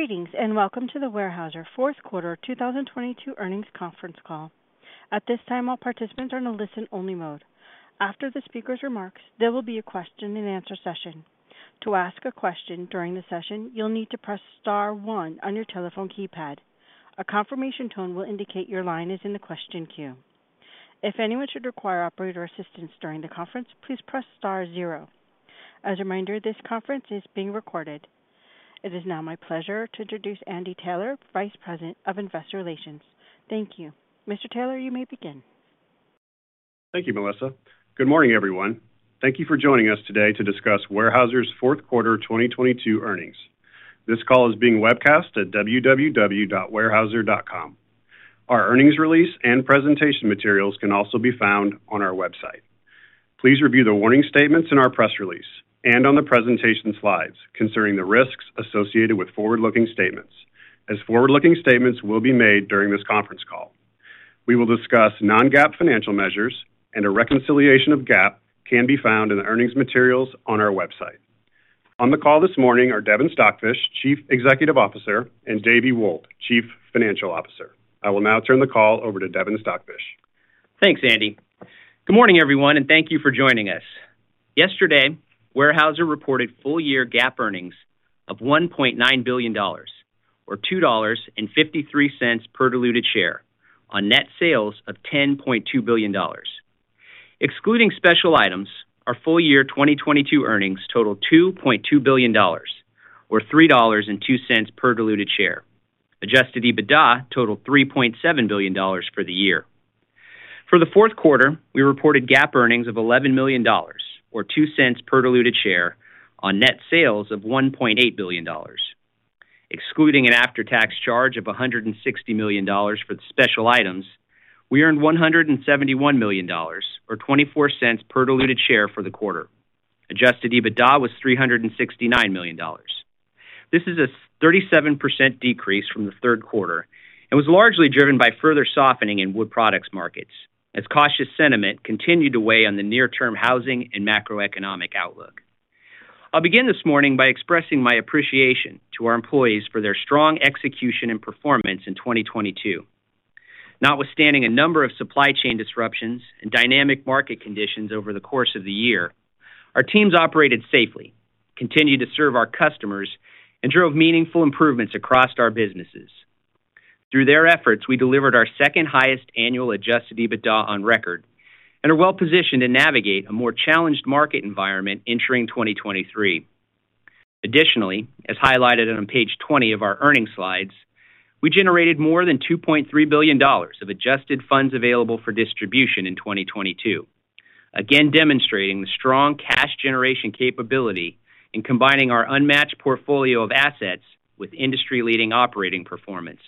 Greetings, welcome to the Weyerhaeuser fourth quarter 2022 earnings conference call. At this time, all participants are in a listen-only mode. After the speaker's remarks, there will be a question and answer session. To ask a question during the session, you'll need to press star one on your telephone keypad. A confirmation tone will indicate your line is in the question queue. If anyone should require operator assistance during the conference, please press star zero. As a reminder, this conference is being recorded. It is now my pleasure to introduce Andy Taylor, Vice President of Investor Relations. Thank you. Mr. Taylor, you may begin. Thank you, Melissa. Good morning, everyone. Thank you for joining us today to discuss Weyerhaeuser's fourth quarter 2022 earnings. This call is being webcast at www.weyerhaeuser.com. Our earnings release and presentation materials can also be found on our website. Please review the warning statements in our press release and on the presentation slides concerning the risks associated with forward-looking statements as forward-looking statements will be made during this conference call. We will discuss non-GAAP financial measures and a reconciliation of GAAP can be found in the earnings materials on our website. On the call this morning are Devin Stockfish, Chief Executive Officer, and Davie Wold, Chief Financial Officer. I will now turn the call over to Devin Stockfish. Thanks, Andy. Good morning, everyone, and thank you for joining us. Yesterday, Weyerhaeuser reported full-year GAAP earnings of $1.9 billion, or $2.53 per diluted share on net sales of $10.2 billion. Excluding special items, our full-year 2022 earnings totaled $2.2 billion, or $3.02 per diluted share. Adjusted EBITDA totaled $3.7 billion for the year. For the fourth quarter, we reported GAAP earnings of $11 million, or $0.02 per diluted share on net sales of $1.8 billion. Excluding an after-tax charge of $160 million for the special items, we earned $171 million or $0.24 per diluted share for the quarter. Adjusted EBITDA was $369 million. This is a 37% decrease from the third quarter and was largely driven by further softening in wood products markets as cautious sentiment continued to weigh on the near-term housing and macroeconomic outlook. I'll begin this morning by expressing my appreciation to our employees for their strong execution and performance in 2022. Notwithstanding a number of supply chain disruptions and dynamic market conditions over the course of the year, our teams operated safely, continued to serve our customers, and drove meaningful improvements across our businesses. Through their efforts, we delivered our second highest annual adjusted EBITDA on record and are well positioned to navigate a more challenged market environment entering 2023. Additionally, as highlighted on page 20 of our earning slides, we generated more than $2.3 billion of adjusted Funds Available for Distribution in 2022. Demonstrating the strong cash generation capability in combining our unmatched portfolio of assets with industry-leading operating performance.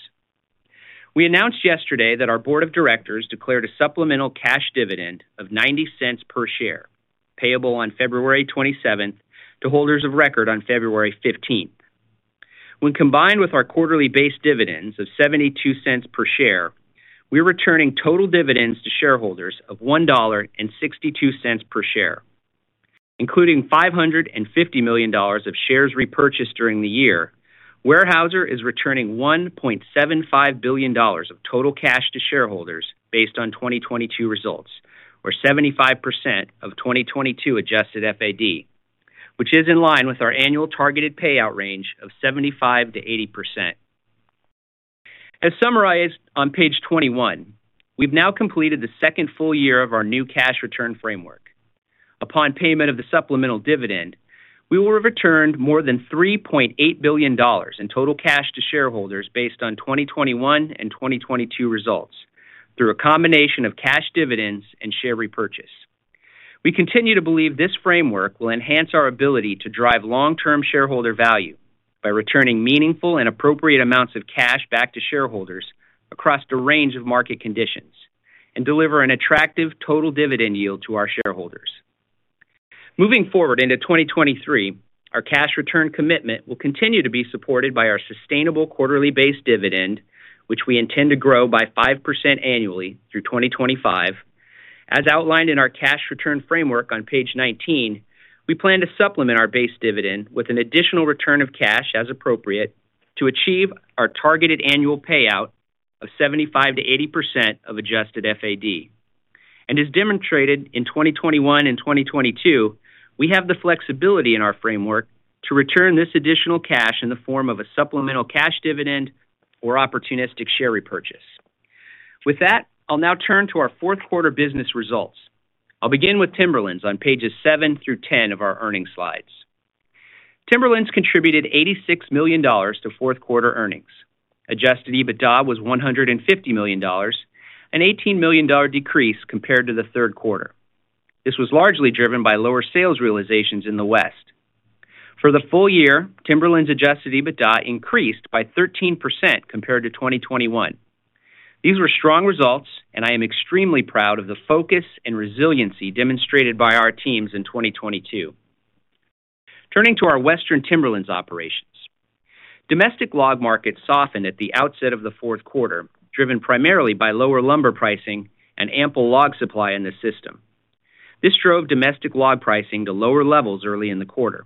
We announced yesterday that our board of directors declared a supplemental cash dividend of $0.90 per share, payable on February 27th to holders of record on February 15th. When combined with our quarterly base dividends of $0.72 per share, we're returning total dividends to shareholders of $1.62 per share. Including $550 million of shares repurchased during the year, Weyerhaeuser is returning $1.75 billion of total cash to shareholders based on 2022 results, or 75% of 2022 adjusted FAD, which is in line with our annual targeted payout range of 75%-80%. As summarized on page 21, we've now completed the second full year of our new cash return framework. Upon payment of the supplemental dividend, we will have returned more than $3.8 billion in total cash to shareholders based on 2021 and 2022 results through a combination of cash dividends and share repurchase. We continue to believe this framework will enhance our ability to drive long-term shareholder value by returning meaningful and appropriate amounts of cash back to shareholders across the range of market conditions and deliver an attractive total dividend yield to our shareholders. Moving forward into 2023, our cash return commitment will continue to be supported by our sustainable quarterly base dividend, which we intend to grow by 5% annually through 2025. As outlined in our cash return framework on page 19, we plan to supplement our base dividend with an additional return of cash as appropriate to achieve our targeted annual payout of 75%-80% of adjusted FAD. As demonstrated in 2021 and 2022, we have the flexibility in our framework to return this additional cash in the form of a supplemental cash dividend or opportunistic share repurchase. With that, I'll now turn to our fourth quarter business results. I'll begin with Timberlands on pages 7 through 10 of our earning slides. Timberlands contributed $86 million to fourth quarter earnings. Adjusted EBITDA was $150 million, an $18 million decrease compared to the third quarter. This was largely driven by lower sales realizations in the West. For the full year, Timberland's adjusted EBITDA increased by 13% compared to 2021. These were strong results, and I am extremely proud of the focus and resiliency demonstrated by our teams in 2022. Turning to our Western Timberlands operations. Domestic log markets softened at the outset of the fourth quarter, driven primarily by lower lumber pricing and ample log supply in the system. This drove domestic log pricing to lower levels early in the quarter.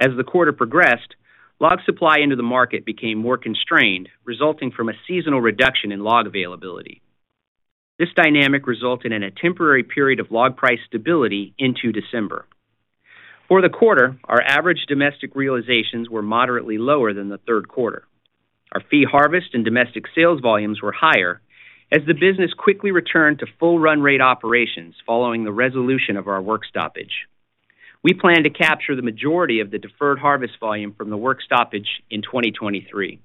As the quarter progressed, log supply into the market became more constrained, resulting from a seasonal reduction in log availability. This dynamic resulted in a temporary period of log price stability into December. For the quarter, our average domestic realizations were moderately lower than the third quarter. Our fee harvest and domestic sales volumes were higher as the business quickly returned to full run rate operations following the resolution of our work stoppage. We plan to capture the majority of the deferred harvest volume from the work stoppage in 2023.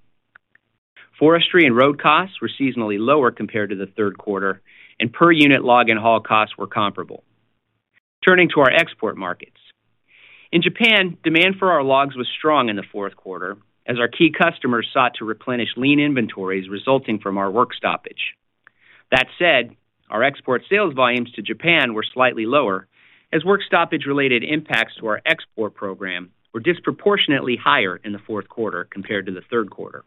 Forestry and road costs were seasonally lower compared to the third quarter, and per unit log and haul costs were comparable. Turning to our export markets. In Japan, demand for our logs was strong in the fourth quarter as our key customers sought to replenish lean inventories resulting from our work stoppage. That said, our export sales volumes to Japan were slightly lower as work stoppage-related impacts to our export program were disproportionately higher in the fourth quarter compared to the third quarter.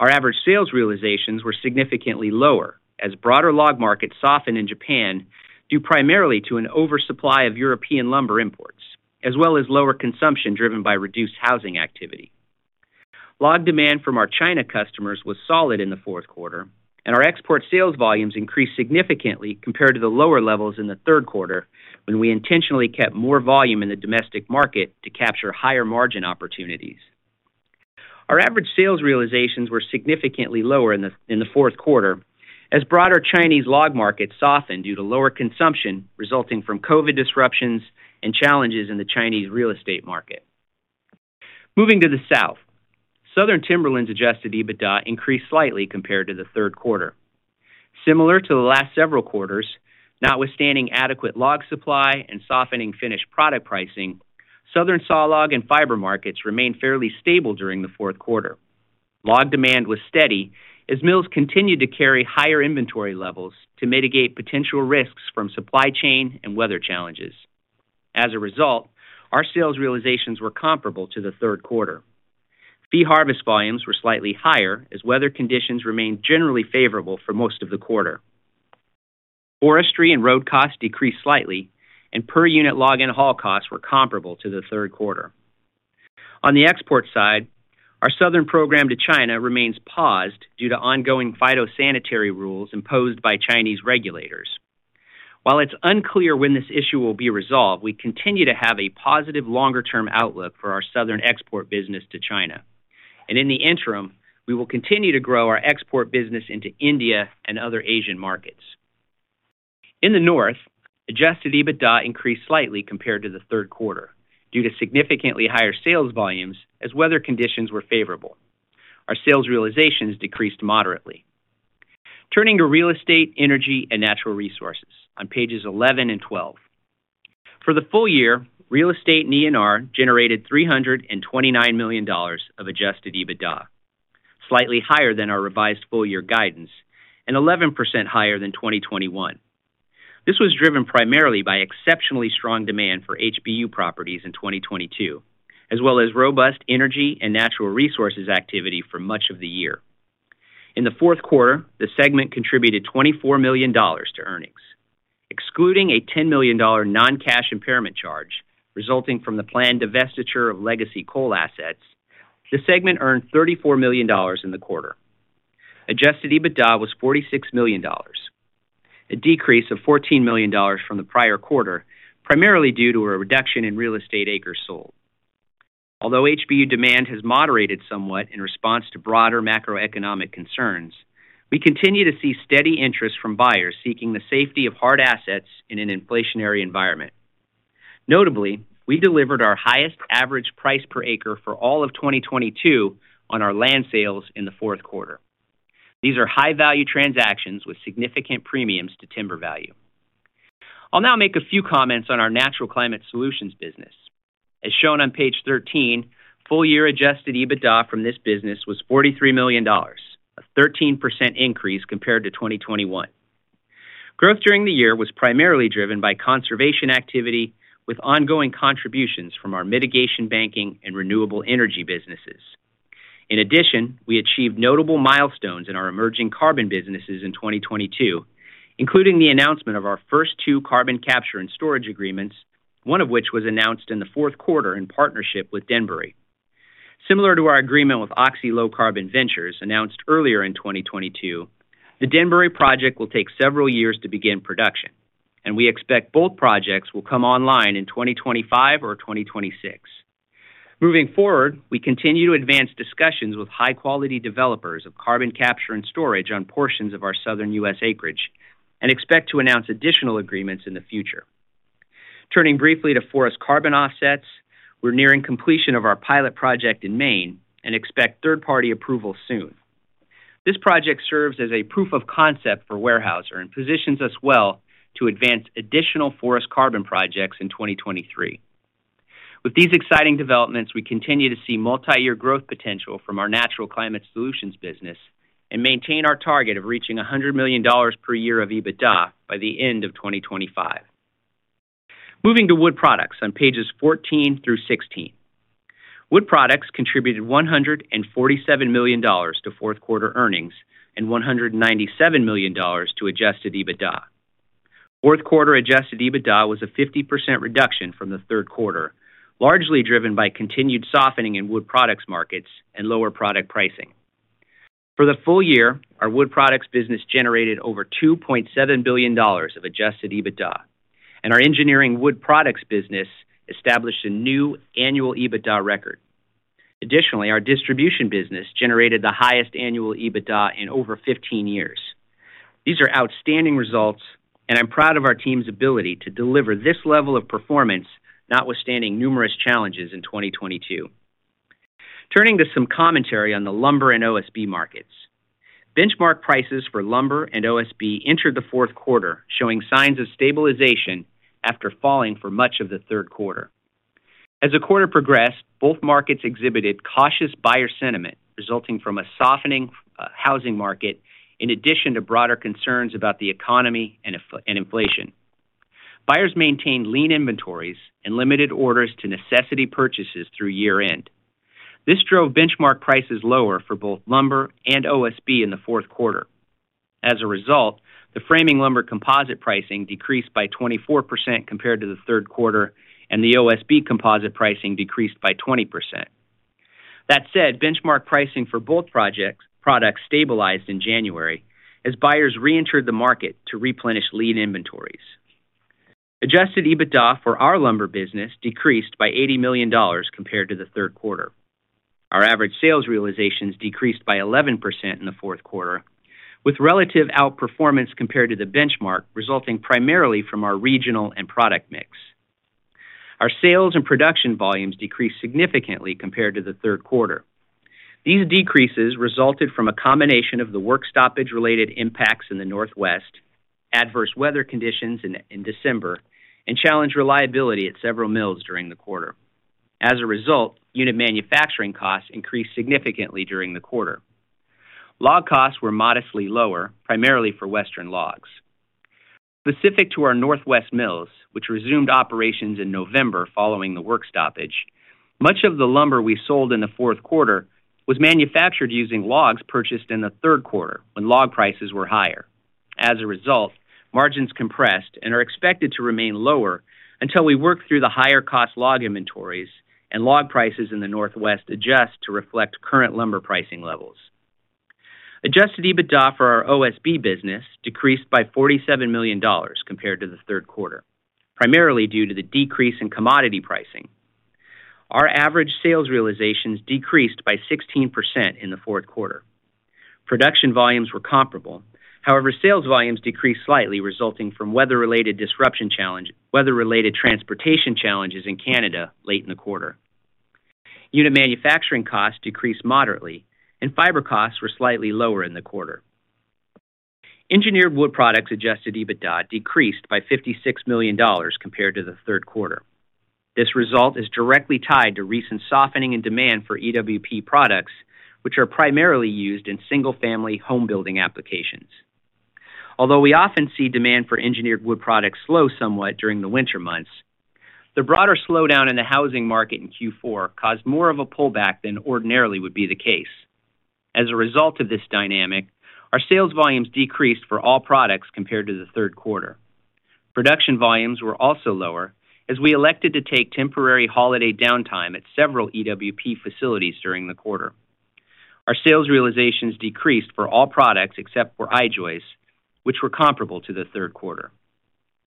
Our average sales realizations were significantly lower as broader log markets softened in Japan, due primarily to an oversupply of European lumber imports, as well as lower consumption driven by reduced housing activity. Log demand from our China customers was solid in the fourth quarter. Our export sales volumes increased significantly compared to the lower levels in the third quarter when we intentionally kept more volume in the domestic market to capture higher margin opportunities. Our average sales realizations were significantly lower in the fourth quarter as broader Chinese log markets softened due to lower consumption resulting from COVID disruptions and challenges in the Chinese real estate market. Moving to the south. Southern Timberlands' adjusted EBITDA increased slightly compared to the third quarter. Similar to the last several quarters, notwithstanding adequate log supply and softening finished product pricing, southern saw log and fiber markets remained fairly stable during the fourth quarter. Log demand was steady as mills continued to carry higher inventory levels to mitigate potential risks from supply chain and weather challenges. Our sales realizations were comparable to the third quarter. Fee harvest volumes were slightly higher as weather conditions remained generally favorable for most of the quarter. Forestry and road costs decreased slightly and per unit log and haul costs were comparable to the third quarter. On the export side, our southern program to China remains paused due to ongoing phytosanitary rules imposed by Chinese regulators. While it's unclear when this issue will be resolved, we continue to have a positive longer-term outlook for our southern export business to China. In the interim, we will continue to grow our export business into India and other Asian markets. In the north, adjusted EBITDA increased slightly compared to the third quarter due to significantly higher sales volumes as weather conditions were favorable. Our sales realizations decreased moderately. Turning to real estate, energy, and natural resources on pages 11 and 12. For the full year, real estate and ENR generated $329 million of Adjusted EBITDA, slightly higher than our revised full year guidance and 11% higher than 2021. This was driven primarily by exceptionally strong demand for HBU properties in 2022, as well as robust energy and natural resources activity for much of the year. In the fourth quarter, the segment contributed $24 million to earnings. Excluding a $10 million non-cash impairment charge resulting from the planned divestiture of legacy coal assets, the segment earned $34 million in the quarter. Adjusted EBITDA was $46 million, a decrease of $14 million from the prior quarter, primarily due to a reduction in real estate acres sold. Although HBU demand has moderated somewhat in response to broader macroeconomic concerns, we continue to see steady interest from buyers seeking the safety of hard assets in an inflationary environment. Notably, we delivered our highest average price per acre for all of 2022 on our land sales in the fourth quarter. These are high-value transactions with significant premiums to timber value. I'll now make a few comments on our Natural Climate Solutions business. As shown on page 13, full year adjusted EBITDA from this business was $43 million, a 13% increase compared to 2021. Growth during the year was primarily driven by conservation activity with ongoing contributions from our mitigation banking and renewable energy businesses. We achieved notable milestones in our emerging carbon businesses in 2022, including the announcement of our first two carbon capture and storage agreements, one of which was announced in the fourth quarter in partnership with Denbury. Similar to our agreement with Oxy Low Carbon Ventures announced earlier in 2022, the Denbury project will take several years to begin production, and we expect both projects will come online in 2025 or 2026. We continue to advance discussions with high-quality developers of carbon capture and storage on portions of our Southern U.S. acreage and expect to announce additional agreements in the future. We're nearing completion of our pilot project in Maine and expect third-party approval soon. This project serves as a proof of concept for Weyerhaeuser and positions us well to advance additional forest carbon projects in 2023. With these exciting developments, we continue to see multi-year growth potential from our Natural Climate Solutions business and maintain our target of reaching $100 million per year of EBITDA by the end of 2025. Moving to Wood Products on pages 14 through 16. Wood Products contributed $147 million to fourth quarter earnings and $197 million to adjusted EBITDA. Fourth quarter adjusted EBITDA was a 50% reduction from the third quarter, largely driven by continued softening in Wood Products markets and lower product pricing. For the full year, our Wood Products business generated over $2.7 billion of adjusted EBITDA, and our engineered wood products business established a new annual EBITDA record. Additionally, our distribution business generated the highest annual EBITDA in over 15 years. These are outstanding results, and I'm proud of our team's ability to deliver this level of performance, notwithstanding numerous challenges in 2022. Turning to some commentary on the lumber and OSB markets. Benchmark prices for lumber and OSB entered the fourth quarter, showing signs of stabilization after falling for much of the third quarter. As the quarter progressed, both markets exhibited cautious buyer sentiment, resulting from a softening housing market, in addition to broader concerns about the economy and inflation. Buyers maintained lean inventories and limited orders to necessity purchases through year-end. This drove benchmark prices lower for both lumber and OSB in the fourth quarter. As a result, the framing lumber composite pricing decreased by 24% compared to the third quarter, and the OSB composite pricing decreased by 20%. Said, benchmark pricing for both products stabilized in January as buyers reentered the market to replenish lean inventories. Adjusted EBITDA for our lumber business decreased by $80 million compared to the third quarter. Our average sales realizations decreased by 11% in the fourth quarter, with relative outperformance compared to the benchmark resulting primarily from our regional and product mix. Our sales and production volumes decreased significantly compared to the third quarter. These decreases resulted from a combination of the work stoppage-related impacts in the Northwest, adverse weather conditions in December, and challenged reliability at several mills during the quarter. A result, unit manufacturing costs increased significantly during the quarter. Log costs were modestly lower, primarily for Western logs. Specific to our Northwest mills, which resumed operations in November following the work stoppage, much of the lumber we sold in the fourth quarter was manufactured using logs purchased in the third quarter, when log prices were higher. As a result, margins compressed and are expected to remain lower until we work through the higher cost log inventories and log prices in the Northwest adjust to reflect current lumber pricing levels. Adjusted EBITDA for our OSB business decreased by $47 million compared to the third quarter, primarily due to the decrease in commodity pricing. Our average sales realizations decreased by 16% in the fourth quarter. Production volumes were comparable. Sales volumes decreased slightly, resulting from weather-related transportation challenges in Canada late in the quarter. Unit manufacturing costs decreased moderately, and fiber costs were slightly lower in the quarter. Engineered wood products adjusted EBITDA decreased by $56 million compared to the third quarter. This result is directly tied to recent softening and demand for EWP products, which are primarily used in single-family home building applications. Although we often see demand for engineered wood products slow somewhat during the winter months, the broader slowdown in the housing market in Q4 caused more of a pullback than ordinarily would be the case. As a result of this dynamic, our sales volumes decreased for all products compared to the third quarter. Production volumes were also lower as we elected to take temporary holiday downtime at several EWP facilities during the quarter. Our sales realizations decreased for all products except for I-joist, which were comparable to the third quarter.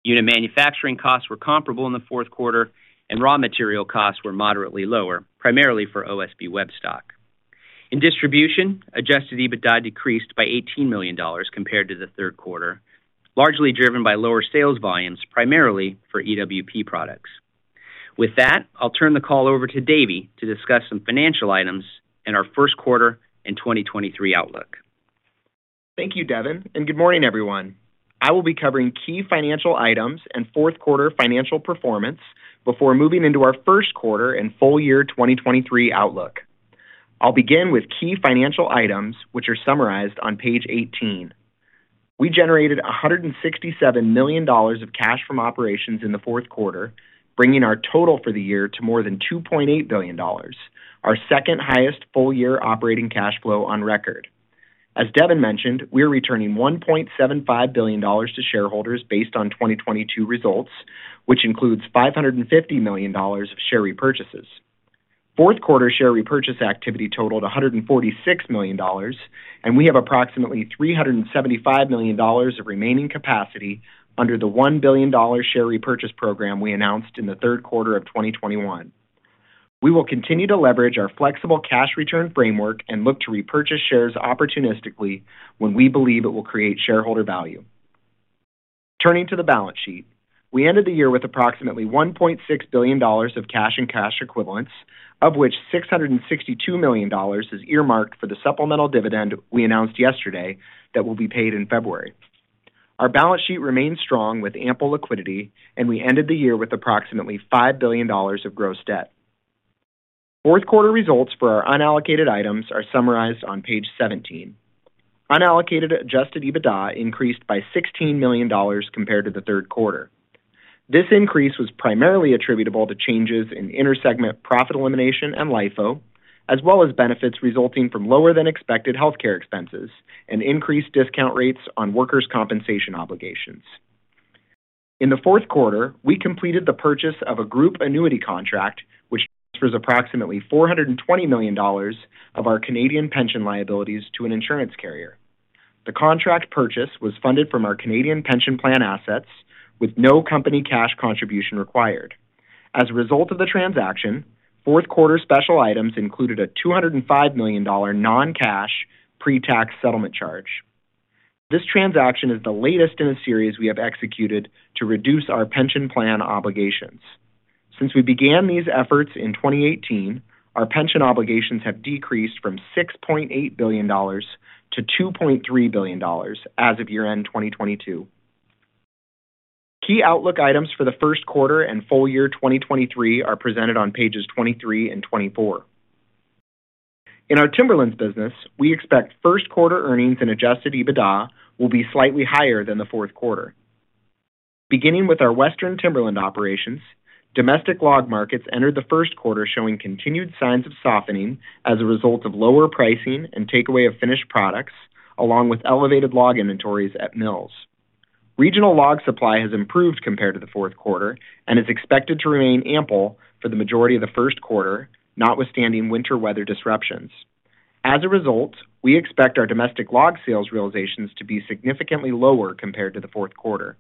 Unit manufacturing costs were comparable in the fourth quarter, and raw material costs were moderately lower, primarily for OSB web stock. In distribution, adjusted EBITDA decreased by $18 million compared to the third quarter, largely driven by lower sales volumes, primarily for EWP products. With that, I'll turn the call over to Davie to discuss some financial items in our first quarter and 2023 outlook. Thank you, Devin, and good morning, everyone. I will be covering key financial items and fourth quarter financial performance before moving into our first quarter and full year 2023 outlook. I'll begin with key financial items which are summarized on page 18. We generated $167 million of cash from operations in the fourth quarter, bringing our total for the year to more than $2.8 billion, our second-highest full-year operating cash flow on record. As Devin mentioned, we are returning $1.75 billion to shareholders based on 2022 results, which includes $550 million of share repurchases. Fourth quarter share repurchase activity totaled $146 million, and we have approximately $375 million of remaining capacity under the $1 billion share repurchase program we announced in the third quarter of 2021. We will continue to leverage our flexible cash return framework and look to repurchase shares opportunistically when we believe it will create shareholder value. Turning to the balance sheet, we ended the year with approximately $1.6 billion of cash and cash equivalents, of which $662 million is earmarked for the supplemental dividend we announced yesterday that will be paid in February. Our balance sheet remains strong with ample liquidity, and we ended the year with approximately $5 billion of gross debt. Fourth quarter results for our unallocated items are summarized on page 17. Unallocated adjusted EBITDA increased by $16 million compared to the third quarter. This increase was primarily attributable to changes in inter-segment profit elimination and LIFO, as well as benefits resulting from lower than expected healthcare expenses and increased discount rates on workers' compensation obligations. In the fourth quarter, we completed the purchase of a group annuity contract, which transfers approximately 420 million dollars of our Canadian pension liabilities to an insurance carrier. The contract purchase was funded from our Canadian pension plan assets with no company cash contribution required. As a result of the transaction, fourth quarter special items included a $205 million non-cash pre-tax settlement charge. This transaction is the latest in a series we have executed to reduce our pension plan obligations. Since we began these efforts in 2018, our pension obligations have decreased from $6.8 billion to $2.3 billion as of year-end 2022. Key outlook items for the first quarter and full year 2023 are presented on pages 23 and 24. In our Timberlands business, we expect first quarter earnings and adjusted EBITDA will be slightly higher than the fourth quarter. Beginning with our Western Timberland operations, domestic log markets entered the first quarter showing continued signs of softening as a result of lower pricing and takeaway of finished products, along with elevated log inventories at mills. Regional log supply has improved compared to the fourth quarter and is expected to remain ample for the majority of the first quarter, notwithstanding winter weather disruptions. As a result, we expect our domestic log sales realizations to be significantly lower compared to the fourth quarter.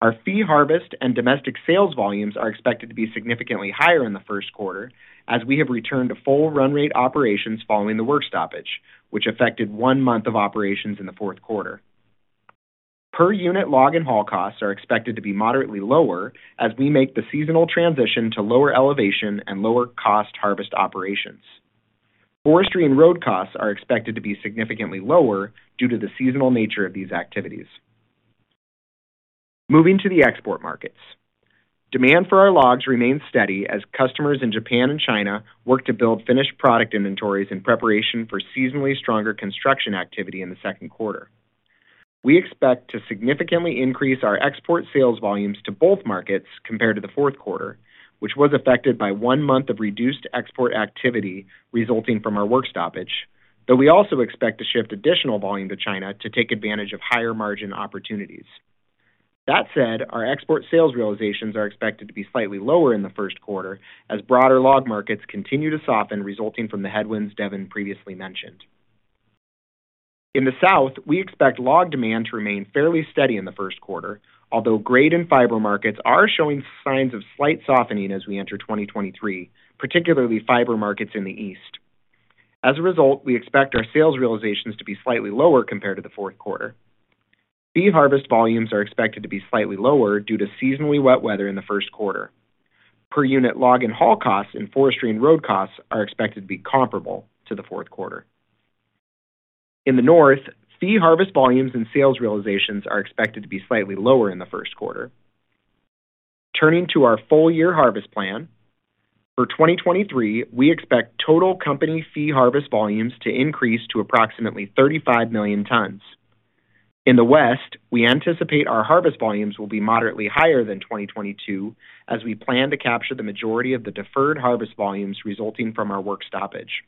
Our fee harvest and domestic sales volumes are expected to be significantly higher in the first quarter as we have returned to full run rate operations following the work stoppage, which affected one month of operations in the fourth quarter. Per unit log and haul costs are expected to be moderately lower as we make the seasonal transition to lower elevation and lower cost harvest operations. Forestry and road costs are expected to be significantly lower due to the seasonal nature of these activities. Moving to the export markets. Demand for our logs remains steady as customers in Japan and China work to build finished product inventories in preparation for seasonally stronger construction activity in the second quarter. We expect to significantly increase our export sales volumes to both markets compared to the fourth quarter, which was affected by one month of reduced export activity resulting from our work stoppage, though we also expect to shift additional volume to China to take advantage of higher margin opportunities. Our export sales realizations are expected to be slightly lower in the first quarter as broader log markets continue to soften, resulting from the headwinds Devin previously mentioned. In the South, we expect log demand to remain fairly steady in the first quarter, although grade and fiber markets are showing signs of slight softening as we enter 2023, particularly fiber markets in the East. We expect our sales realizations to be slightly lower compared to the fourth quarter. Fee harvest volumes are expected to be slightly lower due to seasonally wet weather in the first quarter. Per unit log and haul costs and forestry and road costs are expected to be comparable to the fourth quarter. In the North, fee harvest volumes and sales realizations are expected to be slightly lower in the first quarter. Turning to our full year harvest plan. For 2023, we expect total company fee harvest volumes to increase to approximately 35 million tons. In the West, we anticipate our harvest volumes will be moderately higher than 2022 as we plan to capture the majority of the deferred harvest volumes resulting from our work stoppage.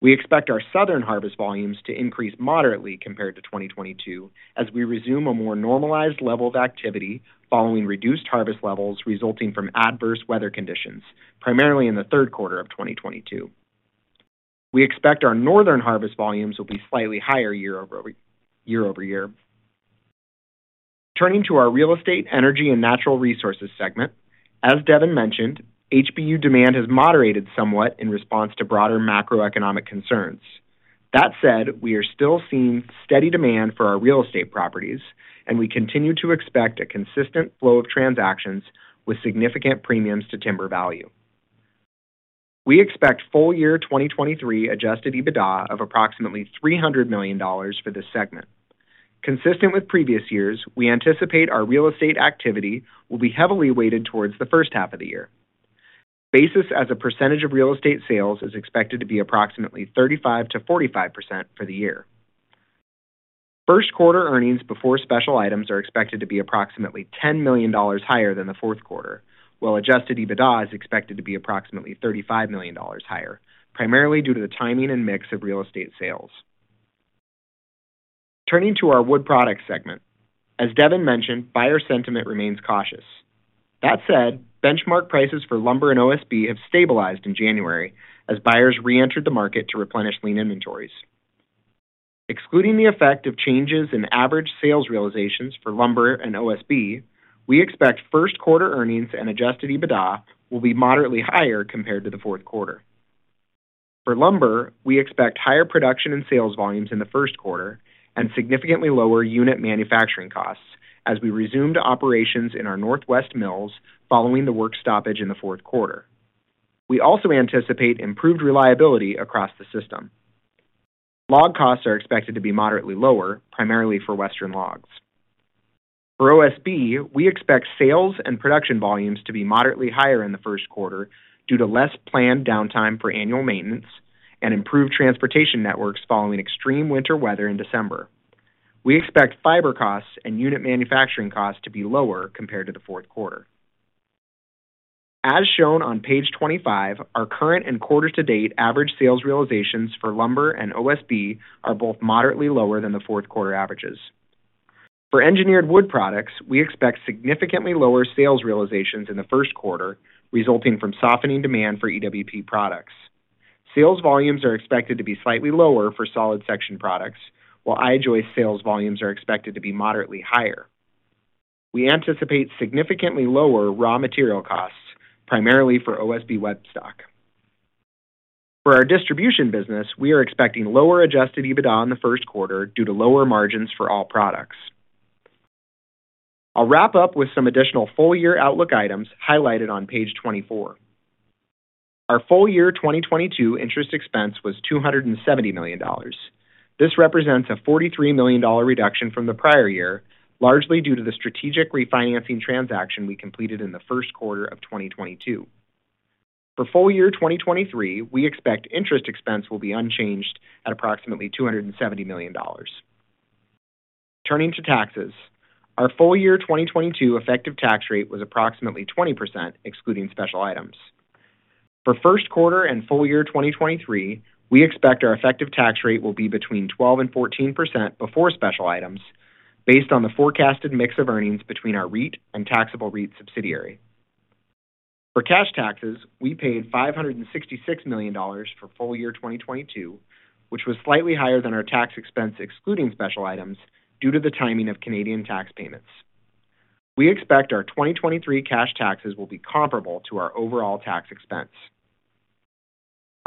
We expect our Southern harvest volumes to increase moderately compared to 2022 as we resume a more normalized level of activity following reduced harvest levels resulting from adverse weather conditions, primarily in the third quarter of 2022. We expect our Northern harvest volumes will be slightly higher year-over-year. Turning to our Real Estate, Energy and Natural Resources segment. As Devin mentioned, HBU demand has moderated somewhat in response to broader macroeconomic concerns. That said, we are still seeing steady demand for our real estate properties, and we continue to expect a consistent flow of transactions with significant premiums to timber value. We expect full year 2023 adjusted EBITDA of approximately $300 million for this segment. Consistent with previous years, we anticipate our real estate activity will be heavily weighted towards the first half of the year. Basis as a percentage of real estate sales is expected to be approximately 35%-45% for the year. First quarter earnings before special items are expected to be approximately $10 million higher than the fourth quarter, while adjusted EBITDA is expected to be approximately $35 million higher, primarily due to the timing and mix of real estate sales. Turning to our Wood Products segment. As Devin mentioned, buyer sentiment remains cautious. That said, benchmark prices for lumber and OSB have stabilized in January as buyers re-entered the market to replenish lean inventories. Excluding the effect of changes in average sales realizations for lumber and OSB, we expect first quarter earnings and adjusted EBITDA will be moderately higher compared to the fourth quarter. For lumber, we expect higher production and sales volumes in the first quarter and significantly lower unit manufacturing costs as we resumed operations in our Northwest mills following the work stoppage in the fourth quarter. We also anticipate improved reliability across the system. Log costs are expected to be moderately lower, primarily for Western logs. For OSB, we expect sales and production volumes to be moderately higher in the first quarter due to less planned downtime for annual maintenance and improved transportation networks following extreme winter weather in December. We expect fiber costs and unit manufacturing costs to be lower compared to the fourth quarter. As shown on page 25, our current and quarter to date average sales realizations for lumber and OSB are both moderately lower than the fourth quarter averages. For engineered wood products, we expect significantly lower sales realizations in the first quarter, resulting from softening demand for EWP products. Sales volumes are expected to be slightly lower for solid section products, while I-joist sales volumes are expected to be moderately higher. We anticipate significantly lower raw material costs, primarily for OSB web stock. For our distribution business, we are expecting lower adjusted EBITDA in the first quarter due to lower margins for all products. I'll wrap up with some additional full year outlook items highlighted on page 24. Our full year 2022 interest expense was $270 million. This represents a $43 million reduction from the prior year, largely due to the strategic refinancing transaction we completed in the first quarter of 2022. For full year 2023, we expect interest expense will be unchanged at approximately $270 million. Turning to taxes, our full year 2022 effective tax rate was approximately 20%, excluding special items. For first quarter and full year 2023, we expect our effective tax rate will be between 12% and 14% before special items based on the forecasted mix of earnings between our REIT and taxable REIT subsidiary. For cash taxes, we paid $566 million for full year 2022, which was slightly higher than our tax expense, excluding special items, due to the timing of Canadian tax payments. We expect our 2023 cash taxes will be comparable to our overall tax expense.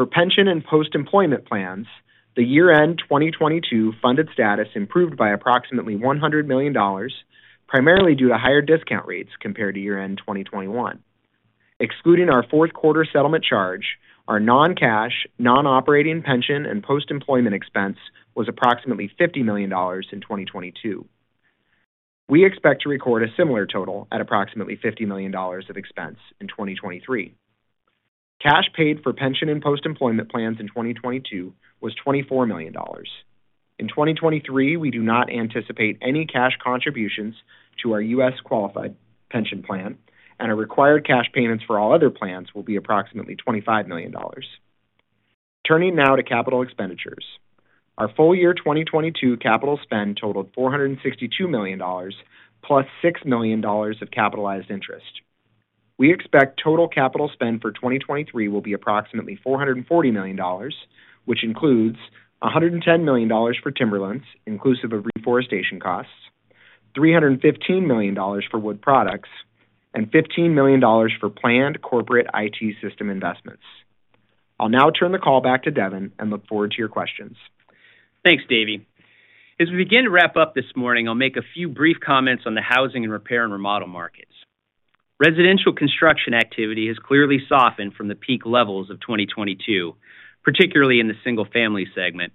For pension and post-employment plans, the year-end 2022 funded status improved by approximately $100 million, primarily due to higher discount rates compared to year-end 2021. Excluding our fourth quarter settlement charge, our non-cash, non-operating pension and post-employment expense was approximately $50 million in 2022. We expect to record a similar total at approximately $50 million of expense in 2023. Cash paid for pension and post-employment plans in 2022 was $24 million. In 2023, we do not anticipate any cash contributions to our U.S. qualified pension plan, and our required cash payments for all other plans will be approximately $25 million. Turning now to capital expenditures. Our full year 2022 capital spend totaled $462 million, plus $6 million of capitalized interest. We expect total capital spend for 2023 will be approximately $440 million, which includes $110 million for timberlands, inclusive of reforestation costs, $315 million for wood products, and $15 million for planned corporate IT system investments. I'll now turn the call back to Devin and look forward to your questions. Thanks, Davie. As we begin to wrap up this morning, I'll make a few brief comments on the housing and repair and remodel markets. Residential construction activity has clearly softened from the peak levels of 2022, particularly in the single-family segment.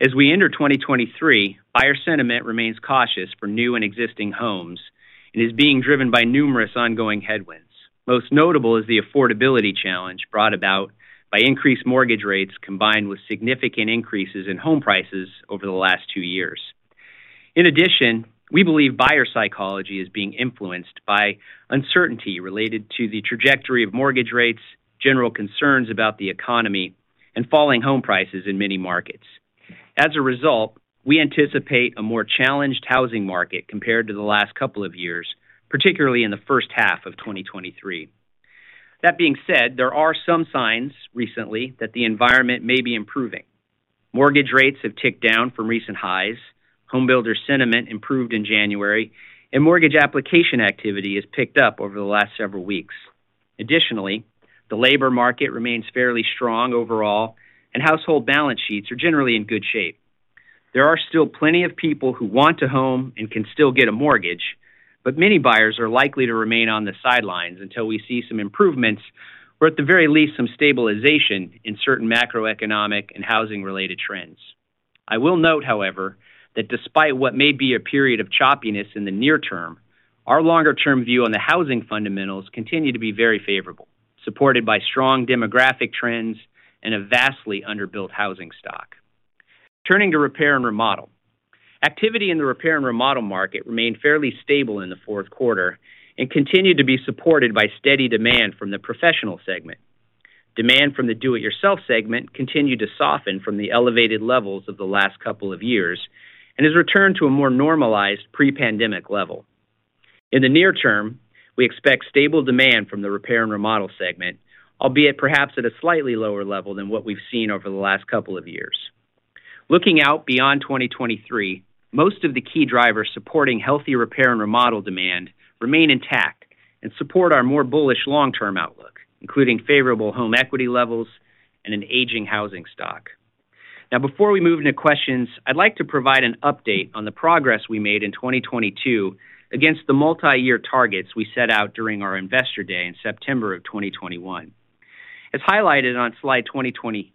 As we enter 2023, buyer sentiment remains cautious for new and existing homes and is being driven by numerous ongoing headwinds. Most notable is the affordability challenge brought about by increased mortgage rates, combined with significant increases in home prices over the last two years. In addition, we believe buyer psychology is being influenced by uncertainty related to the trajectory of mortgage rates, general concerns about the economy, and falling home prices in many markets. As a result, we anticipate a more challenged housing market compared to the last couple of years, particularly in the first half of 2023. That being said, there are some signs recently that the environment may be improving. Mortgage rates have ticked down from recent highs, home builder sentiment improved in January, and mortgage application activity has picked up over the last several weeks. Additionally, the labor market remains fairly strong overall, and household balance sheets are generally in good shape. There are still plenty of people who want a home and can still get a mortgage, but many buyers are likely to remain on the sidelines until we see some improvements or, at the very least, some stabilization in certain macroeconomic and housing-related trends. I will note, however, that despite what may be a period of choppiness in the near term, our longer-term view on the housing fundamentals continue to be very favorable, supported by strong demographic trends and a vastly under-built housing stock. Turning to repair and remodel. Activity in the repair and remodel market remained fairly stable in the fourth quarter and continued to be supported by steady demand from the professional segment. Demand from the do it yourself segment continued to soften from the elevated levels of the last couple of years and has returned to a more normalized pre-pandemic level. In the near term, we expect stable demand from the repair and remodel segment, albeit perhaps at a slightly lower level than what we've seen over the last couple of years. Looking out beyond 2023, most of the key drivers supporting healthy repair and remodel demand remain intact and support our more bullish long-term outlook, including favorable home equity levels and an aging housing stock. Before we move into questions, I'd like to provide an update on the progress we made in 2022 against the multi-year targets we set out during our investor day in September of 2021. As highlighted on slide 22,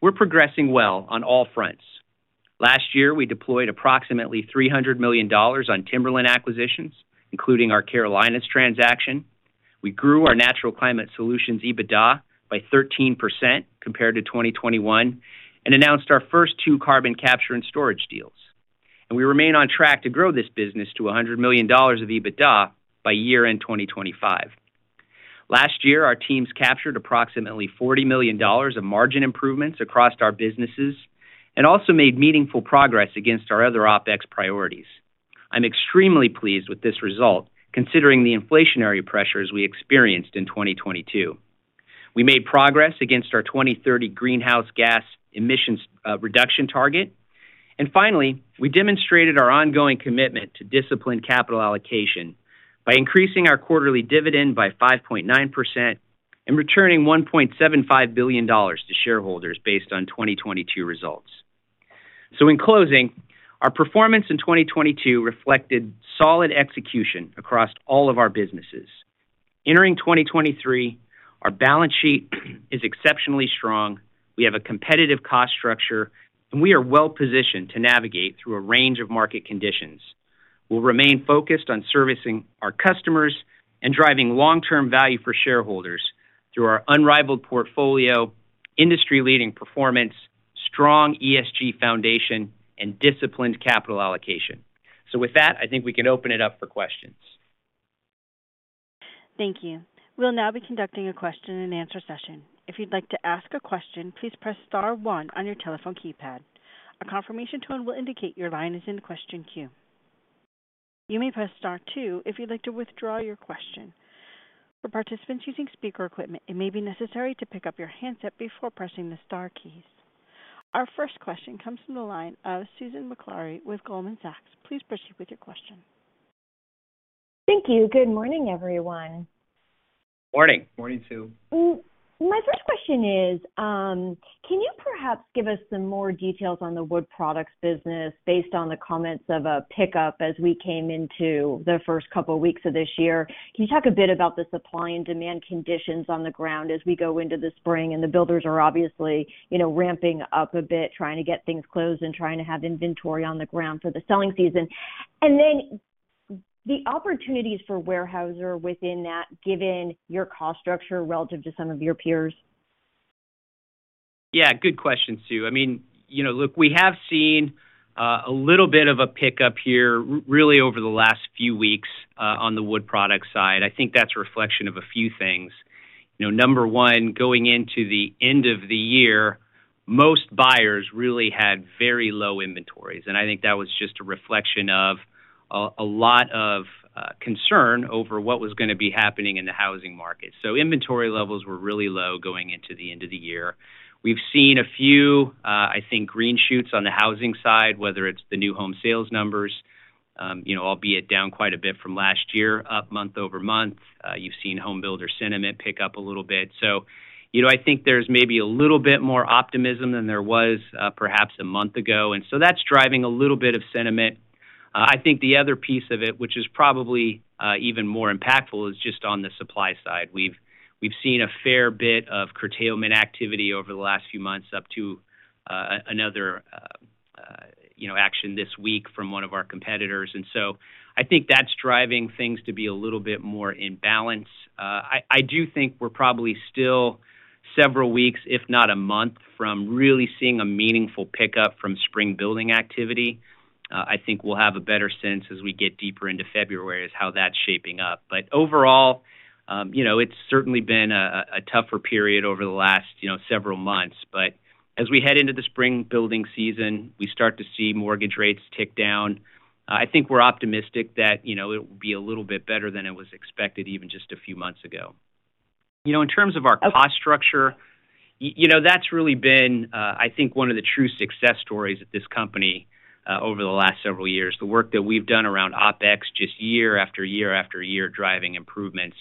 we're progressing well on all fronts. Last year, we deployed approximately $300 million on timberland acquisitions, including our Carolinas transaction. We grew our Natural Climate Solutions EBITDA by 13% compared to 2021 and announced our first two carbon capture and storage deals. We remain on track to grow this business to $100 million of EBITDA by year-end 2025. Last year, our teams captured approximately $40 million of margin improvements across our businesses and also made meaningful progress against our other OpEx priorities. I'm extremely pleased with this result, considering the inflationary pressures we experienced in 2022. We made progress against our 2030 greenhouse gas emissions reduction target. Finally, we demonstrated our ongoing commitment to disciplined capital allocation by increasing our quarterly dividend by 5.9% and returning $1.75 billion to shareholders based on 2022 results. In closing, our performance in 2022 reflected solid execution across all of our businesses. Entering 2023, our balance sheet is exceptionally strong. We have a competitive cost structure, and we are well positioned to navigate through a range of market conditions. We'll remain focused on servicing our customers and driving long-term value for shareholders through our unrivaled portfolio, industry-leading performance, strong ESG foundation, and disciplined capital allocation. With that, I think we can open it up for questions. Thank you. We'll now be conducting a question and answer session. If you'd like to ask a question, please press star one on your telephone keypad. A confirmation tone will indicate your line is in question queue. You may press star two if you'd like to withdraw your question. For participants using speaker equipment, it may be necessary to pick up your handset before pressing the star keys. Our first question comes from the line of Susan Maklari with Goldman Sachs. Please proceed with your question. Thank you. Good morning, everyone. Morning. Morning, Sue. My first question is, can you perhaps give us some more details on the wood products business based on the comments of a pickup as we came into the first couple weeks of this year? Can you talk a bit about the supply and demand conditions on the ground as we go into the spring and the builders are obviously, you know, ramping up a bit, trying to get things closed and trying to have inventory on the ground for the selling season? The opportunities for Weyerhaeuser within that, given your cost structure relative to some of your peers? Yeah, good question, Sue. I mean, you know, look, we have seen a little bit of a pickup here really over the last few weeks on the wood product side. I think that's a reflection of a few things. You know, number one, going into the end of the year, most buyers really had very low inventories, and I think that was just a reflection of a lot of concern over what was gonna be happening in the housing market. Inventory levels were really low going into the end of the year. We've seen a few, I think, green shoots on the housing side, whether it's the new home sales numbers, you know, albeit down quite a bit from last year, up month-over-month. You've seen home builder sentiment pick up a little bit. You know, I think there's maybe a little bit more optimism than there was, perhaps a month ago, and so that's driving a little bit of sentiment. I think the other piece of it, which is probably, even more impactful, is just on the supply side. We've seen a fair bit of curtailment activity over the last few months, up to, another, you know, action this week from one of our competitors. I think that's driving things to be a little bit more in balance. I do think we're probably still several weeks, if not a month, from really seeing a meaningful pickup from spring building activity. I think we'll have a better sense as we get deeper into February as how that's shaping up. Overall, you know, it's certainly been a tougher period over the last, you know, several months. As we head into the spring building season, we start to see mortgage rates tick down. I think we're optimistic that, you know, it will be a little bit better than it was expected even just a few months ago. You know, in terms of our cost structure, you know, that's really been, I think one of the true success stories at this company over the last several years. The work that we've done around OpEx just year after year after year, driving improvements,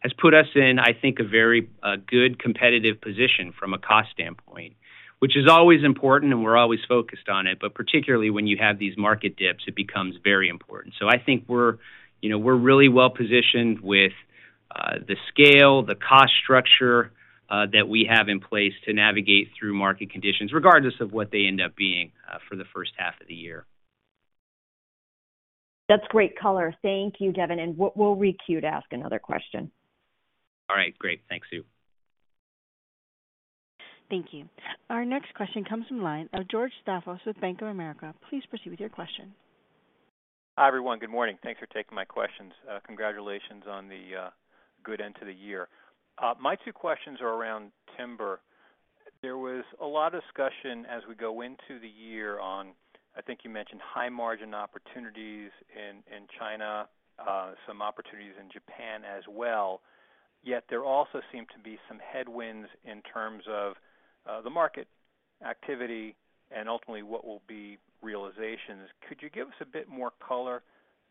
has put us in, I think, a very good competitive position from a cost standpoint, which is always important, and we're always focused on it. Particularly when you have these market dips, it becomes very important. I think we're, you know, we're really well positioned with the scale, the cost structure, that we have in place to navigate through market conditions, regardless of what they end up being, for the first half of the year. That's great color. Thank you, Devin. We'll requeue to ask another question. All right. Great. Thanks, Sue. Thank you. Our next question comes from line of George Staphos with Bank of America. Please proceed with your question. Hi, everyone. Good morning. Thanks for taking my questions. Congratulations on the good end to the year. My two questions are around timber. There was a lot of discussion as we go into the year on, I think you mentioned high margin opportunities in China, some opportunities in Japan as well, yet there also seemed to be some headwinds in terms of the market activity and ultimately what will be realizations. Could you give us a bit more color,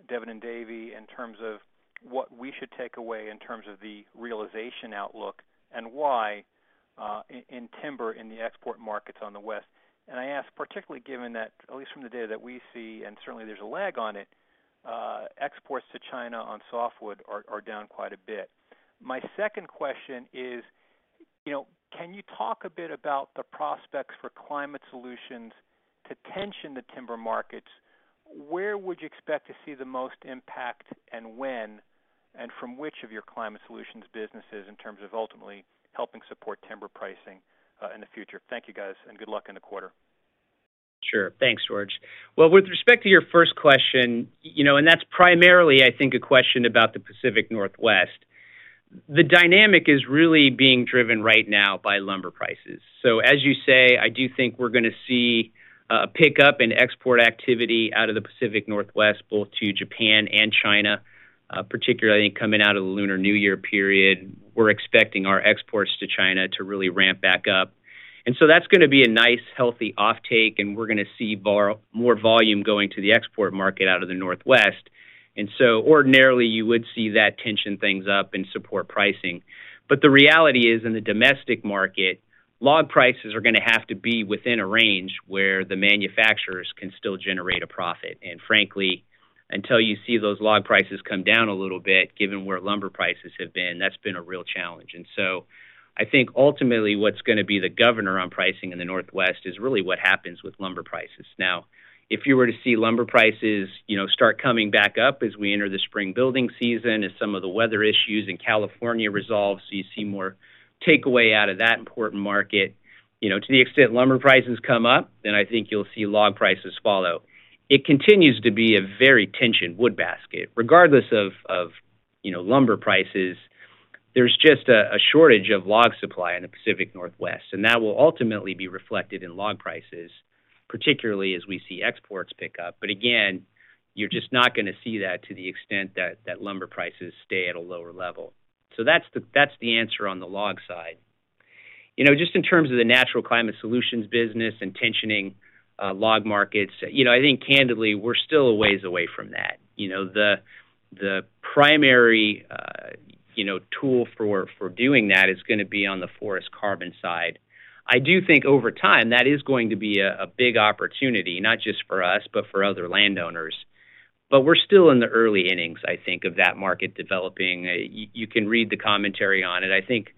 Devin and Davie Wold, in terms of what we should take away in terms of the realization outlook and why, in timber in the export markets on the west? I ask particularly given that, at least from the data that we see, and certainly there's a lag on it, exports to China on softwood are down quite a bit. My second question. You know, can you talk a bit about the prospects for climate solutions to tension the timber markets? Where would you expect to see the most impact and when, and from which of your climate solutions businesses in terms of ultimately helping support timber pricing in the future? Thank you, guys. Good luck in the quarter. Sure. Thanks, George. Well, with respect to your first question, you know, that's primarily, I think, a question about the Pacific Northwest. The dynamic is really being driven right now by lumber prices. As you say, I do think we're gonna see pickup in export activity out of the Pacific Northwest, both to Japan and China, particularly coming out of the Lunar New Year period. We're expecting our exports to China to really ramp back up. That's gonna be a nice, healthy offtake, and we're gonna see more volume going to the export market out of the Northwest. Ordinarily, you would see that tension things up and support pricing. The reality is, in the domestic market, log prices are gonna have to be within a range where the manufacturers can still generate a profit. Frankly, until you see those log prices come down a little bit, given where lumber prices have been, that's been a real challenge. I think ultimately, what's gonna be the governor on pricing in the Northwest is really what happens with lumber prices. If you were to see lumber prices, you know, start coming back up as we enter the spring building season, as some of the weather issues in California resolve, so you see more takeaway out of that important market, you know, to the extent lumber prices come up, then I think you'll see log prices follow. It continues to be a very tensioned wood basket. Regardless of, you know, lumber prices, there's just a shortage of log supply in the Pacific Northwest, and that will ultimately be reflected in log prices, particularly as we see exports pick up. Again, you're just not gonna see that to the extent that lumber prices stay at a lower level. That's the answer on the log side. You know, just in terms of the Natural Climate Solutions business and tensioning log markets, you know, I think candidly, we're still a ways away from that. You know, the primary, you know, tool for doing that is gonna be on the forest carbon side. I do think over time, that is going to be a big opportunity, not just for us, but for other landowners. We're still in the early innings, I think, of that market developing. You can read the commentary on it. I think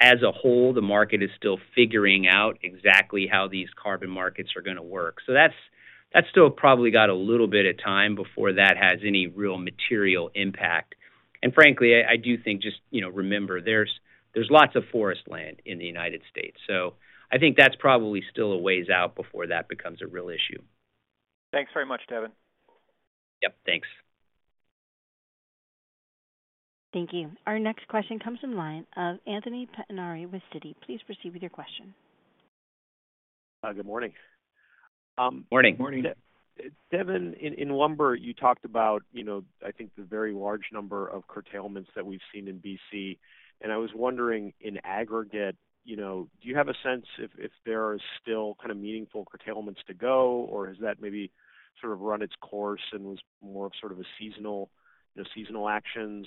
as a whole, the market is still figuring out exactly how these carbon markets are gonna work. That's still probably got a little bit of time before that has any real material impact. Frankly, I do think just, you know, remember, there's lots of forest land in the United States. I think that's probably still a ways out before that becomes a real issue. Thanks very much, Devin. Yep, thanks. Thank you. Our next question comes from line of Anthony Pettinari with Citi. Please proceed with your question. Good morning. Morning. Morning. Devin, in lumber, you talked about, you know, I think the very large number of curtailments that we've seen in BC. I was wondering, in aggregate, you know, do you have a sense if there are still kind of meaningful curtailments to go, or has that maybe sort of run its course and was more of sort of a seasonal, you know, seasonal actions,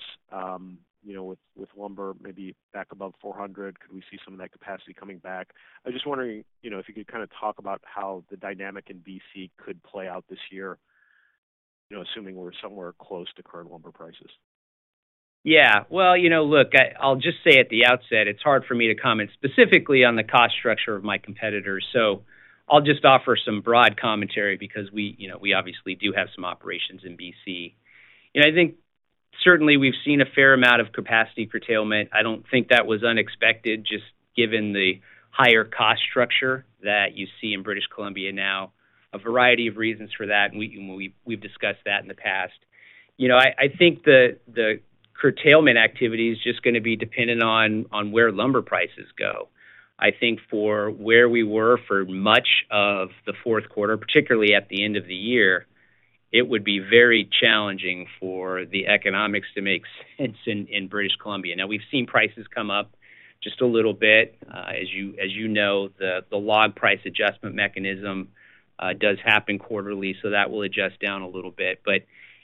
you know, with lumber maybe back above $400? Could we see some of that capacity coming back? I was just wondering, you know, if you could kinda talk about how the dynamic in BC could play out this year, you know, assuming we're somewhere close to current lumber prices. Well, you know, look, I'll just say at the outset, it's hard for me to comment specifically on the cost structure of my competitors, so I'll just offer some broad commentary because we, you know, we obviously do have some operations in BC. You know, I think certainly we've seen a fair amount of capacity curtailment. I don't think that was unexpected, just given the higher cost structure that you see in British Columbia now. A variety of reasons for that, and we've discussed that in the past. You know, I think the curtailment activity is just gonna be dependent on where lumber prices go. I think for where we were for much of the fourth quarter, particularly at the end of the year, it would be very challenging for the economics to make sense in British Columbia. Now we've seen prices come up just a little bit. As you know, the log price adjustment mechanism does happen quarterly, so that will adjust down a little bit.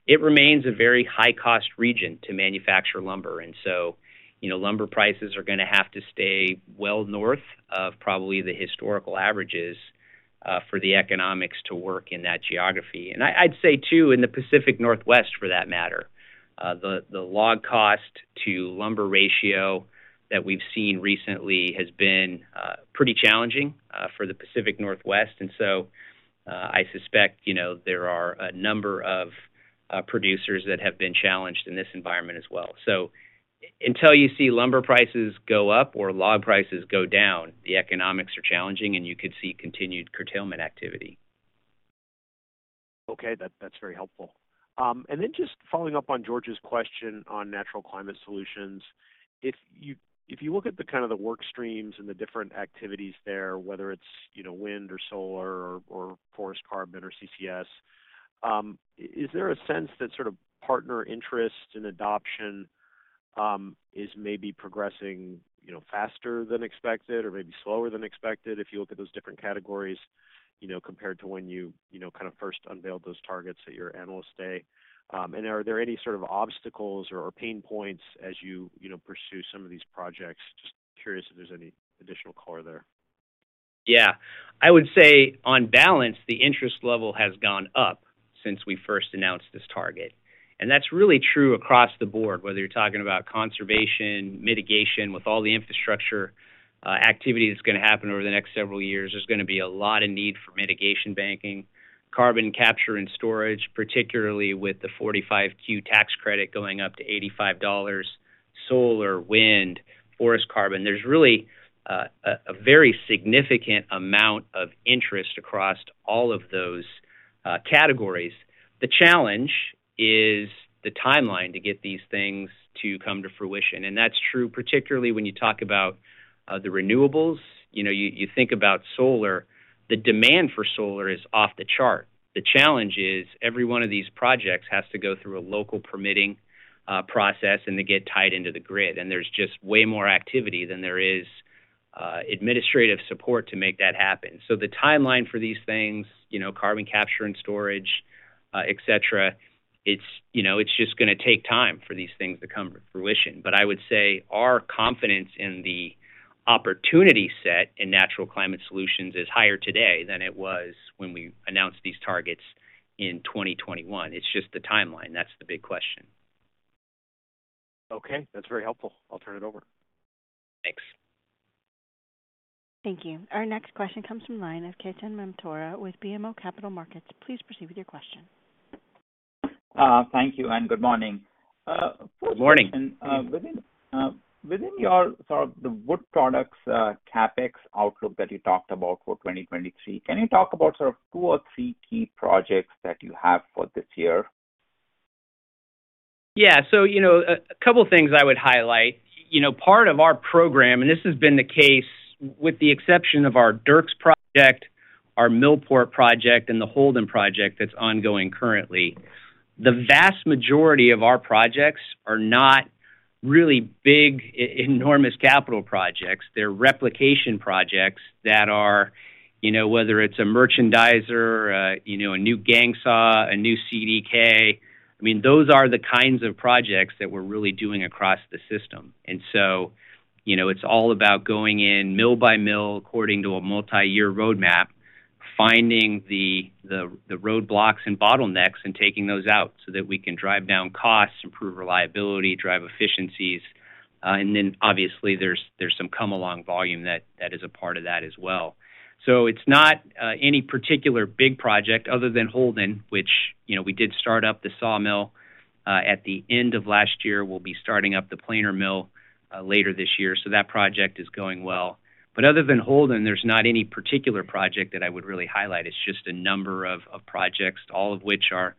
It remains a very high-cost region to manufacture lumber. You know, lumber prices are gonna have to stay well north of probably the historical averages for the economics to work in that geography. I'd say too, in the Pacific Northwest for that matter, the log cost to lumber ratio that we've seen recently has been pretty challenging for the Pacific Northwest. I suspect, you know, there are a number of producers that have been challenged in this environment as well. Until you see lumber prices go up or log prices go down, the economics are challenging, and you could see continued curtailment activity. Okay. That's very helpful. Then just following up on George's question on Natural Climate Solutions. If you, if you look at the kind of the work streams and the different activities there, whether it's, you know, wind or solar or forest carbon or CCS, is there a sense that sort of partner interest and adoption is maybe progressing, you know, faster than expected or maybe slower than expected if you look at those different categories, you know, compared to when you know, kind of first unveiled those targets at your Analyst Day? Are there any sort of obstacles or pain points as you know, pursue some of these projects? Just curious if there's any additional color there. Yeah, I would say on balance, the interest level has gone up since we first announced this target. That's really true across the board, whether you're talking about conservation, mitigation, with all the infrastructure activity that's gonna happen over the next several years, there's gonna be a lot of need for mitigation banking, carbon capture and storage, particularly with the Section 45Q tax credit going up to $85, solar, wind, forest carbon. There's really a very significant amount of interest across all of those categories. The challenge is the timeline to get these things to come to fruition, and that's true particularly when you talk about the renewables. You know, you think about solar, the demand for solar is off the chart. The challenge is every one of these projects has to go through a local permitting process, and they get tied into the grid, and there's just way more activity than there is administrative support to make that happen. The timeline for these things, you know, carbon capture and storage, et cetera, it's, you know, it's just gonna take time for these things to come to fruition. I would say our confidence in the opportunity set in Natural Climate Solutions is higher today than it was when we announced these targets in 2021. It's just the timeline. That's the big question. Okay, that's very helpful. I'll turn it over. Thanks. Thank you. Our next question comes from line of Ketan Mamtora with BMO Capital Markets. Please proceed with your question. Thank you, and good morning. Good morning. Within your sort of the wood products, CapEx outlook that you talked about for 2023, can you talk about sort of two or three key projects that you have for this year? Yeah. You know, a couple things I would highlight. You know, part of our program, and this has been the case with the exception of our Dierks project, our Millport project, and the Holden project that's ongoing currently. The vast majority of our projects are not really big enormous capital projects. They're replication projects that are, you know, whether it's a merchandiser, you know, a new gang saw, a new CDK. I mean, those are the kinds of projects that we're really doing across the system. You know, it's all about going in mill by mill according to a multi-year roadmap, finding the roadblocks and bottlenecks and taking those out so that we can drive down costs, improve reliability, drive efficiencies. Obviously there's some come-along volume that is a part of that as well. It's not any particular big project other than Holden, which, you know, we did start up the sawmill at the end of last year. We'll be starting up the planer mill later this year, so that project is going well. Other than Holden, there's not any particular project that I would really highlight. It's just a number of projects, all of which are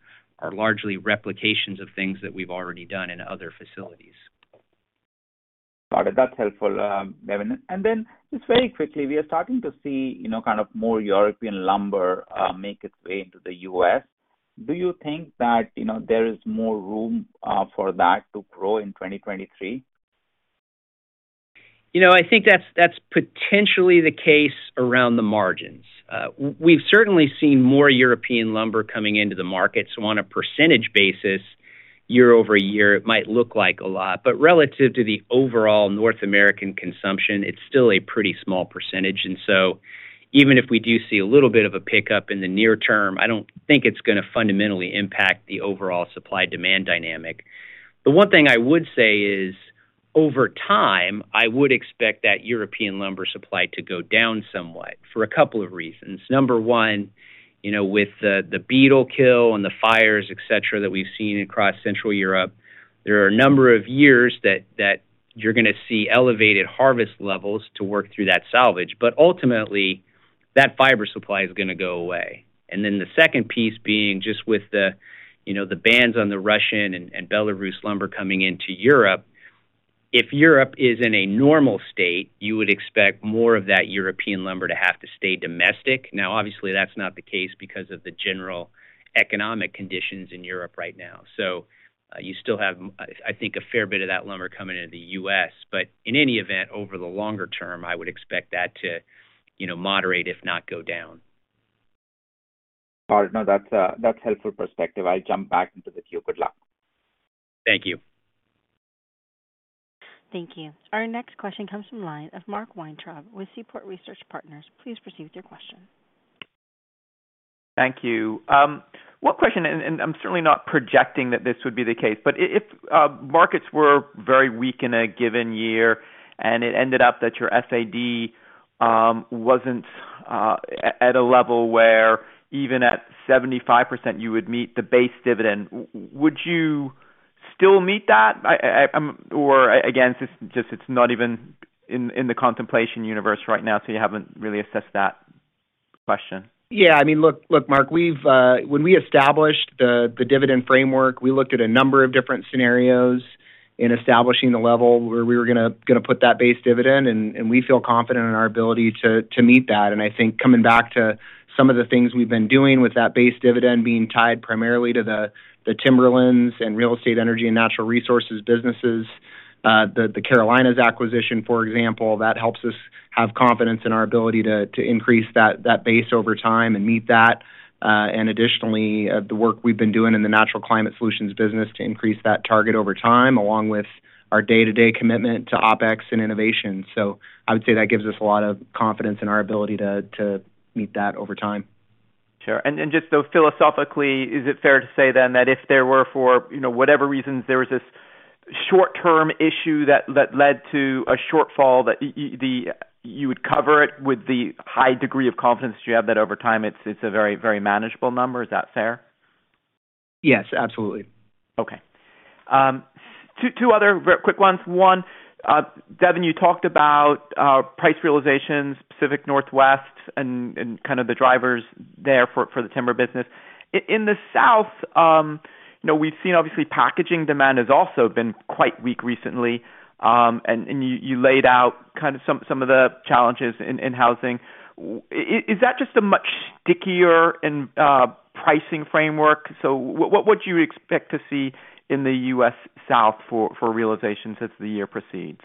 largely replications of things that we've already done in other facilities. Got it. That's helpful, Devin. Just very quickly, we are starting to see, you know, kind of more European lumber, make its way into the U.S. Do you think that, you know, there is more room, for that to grow in 2023? You know, I think that's potentially the case around the margins. We've certainly seen more European lumber coming into the market. On a percentage basis, year-over-year, it might look like a lot, but relative to the overall North American consumption, it's still a pretty small percentage. Even if we do see a little bit of a pickup in the near term, I don't think it's gonna fundamentally impact the overall supply-demand dynamic. The one thing I would say is, over time, I would expect that European lumber supply to go down somewhat for a couple of reasons. Number 1, you know, with the beetle kill and the fires, et cetera, that we've seen across Central Europe, there are a number of years that you're gonna see elevated harvest levels to work through that salvage. Ultimately, that fiber supply is gonna go away. Then the second piece being just with the, you know, the bans on the Russian and Belarus lumber coming into Europe. If Europe is in a normal state, you would expect more of that European lumber to have to stay domestic. Obviously, that's not the case because of the general economic conditions in Europe right now. You still have I think a fair bit of that lumber coming into the U.S. In any event, over the longer term, I would expect that to, you know, moderate, if not go down. All right. No, that's helpful perspective. I'll jump back into the queue. Good luck. Thank you. Thank you. Our next question comes from line of Mark Weintraub with Seaport Research Partners. Please proceed with your question. Thank you. One question, and I'm certainly not projecting that this would be the case, but if markets were very weak in a given year and it ended up that your FAD wasn't at a level where even at 75% you would meet the base dividend, would you still meet that? I or again, it's just it's not even in the contemplation universe right now, so you haven't really assessed that question. Yeah. I mean, look, Mark, we've, when we established the dividend framework, we looked at a number of different scenarios in establishing the level where we were gonna put that base dividend and we feel confident in our ability to meet that. I think coming back to some of the things we've been doing with that base dividend being tied primarily to the timberlands and real estate energy and natural resources businesses, the Carolinas acquisition, for example, that helps us have confidence in our ability to increase that base over time and meet that. Additionally, the work we've been doing in the Natural Climate Solutions business to increase that target over time, along with our day-to-day commitment to OpEx and innovation. I would say that gives us a lot of confidence in our ability to meet that over time. Sure. Just philosophically, is it fair to say then that if there were for, you know, whatever reasons, there was this short-term issue that led to a shortfall that you would cover it with the high degree of confidence that you have, that over time, it's a very, very manageable number? Is that fair? Yes, absolutely. Two other quick ones. Devin, you talked about price realizations, Pacific Northwest, and kind of the drivers there for the timber business. In the South, you know, we've seen obviously packaging demand has also been quite weak recently, and you laid out kind of some of the challenges in housing. Is that just a much stickier and pricing framework? What would you expect to see in the US South for realizations as the year proceeds?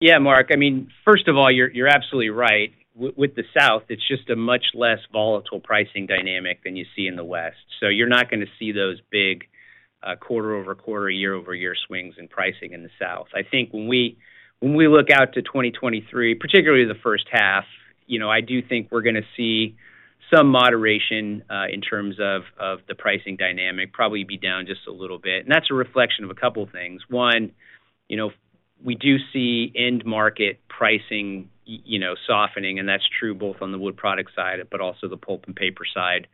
Yeah, Mark, I mean, first of all, you're absolutely right. With the South, it's just a much less volatile pricing dynamic than you see in the West. So you're not gonna see those big, quarter-over-quarter, year-over-year swings in pricing in the South. I think when we look out to 2023, particularly the first half, you know, I do think we're gonna see some moderation, in terms of the pricing dynamic, probably be down just a little bit. That's a reflection of a couple things. One, you know, we do see end market pricing, you know, softening, and that's true both on the wood product side, but also the pulp and paper side,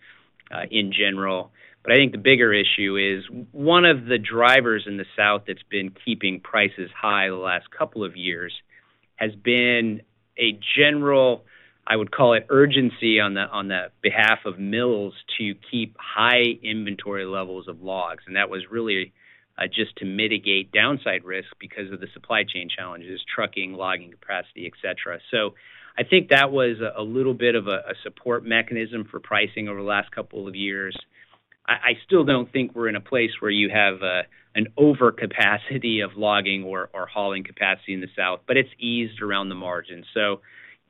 in general. I think the bigger issue is one of the drivers in the South that's been keeping prices high the last couple of years has been a general, I would call it urgency on the behalf of mills to keep high inventory levels of logs. That was really just to mitigate downside risk because of the supply chain challenges, trucking, logging capacity, et cetera. I think that was a little bit of a support mechanism for pricing over the last couple of years. I still don't think we're in a place where you have an overcapacity of logging or hauling capacity in the South, but it's eased around the margin.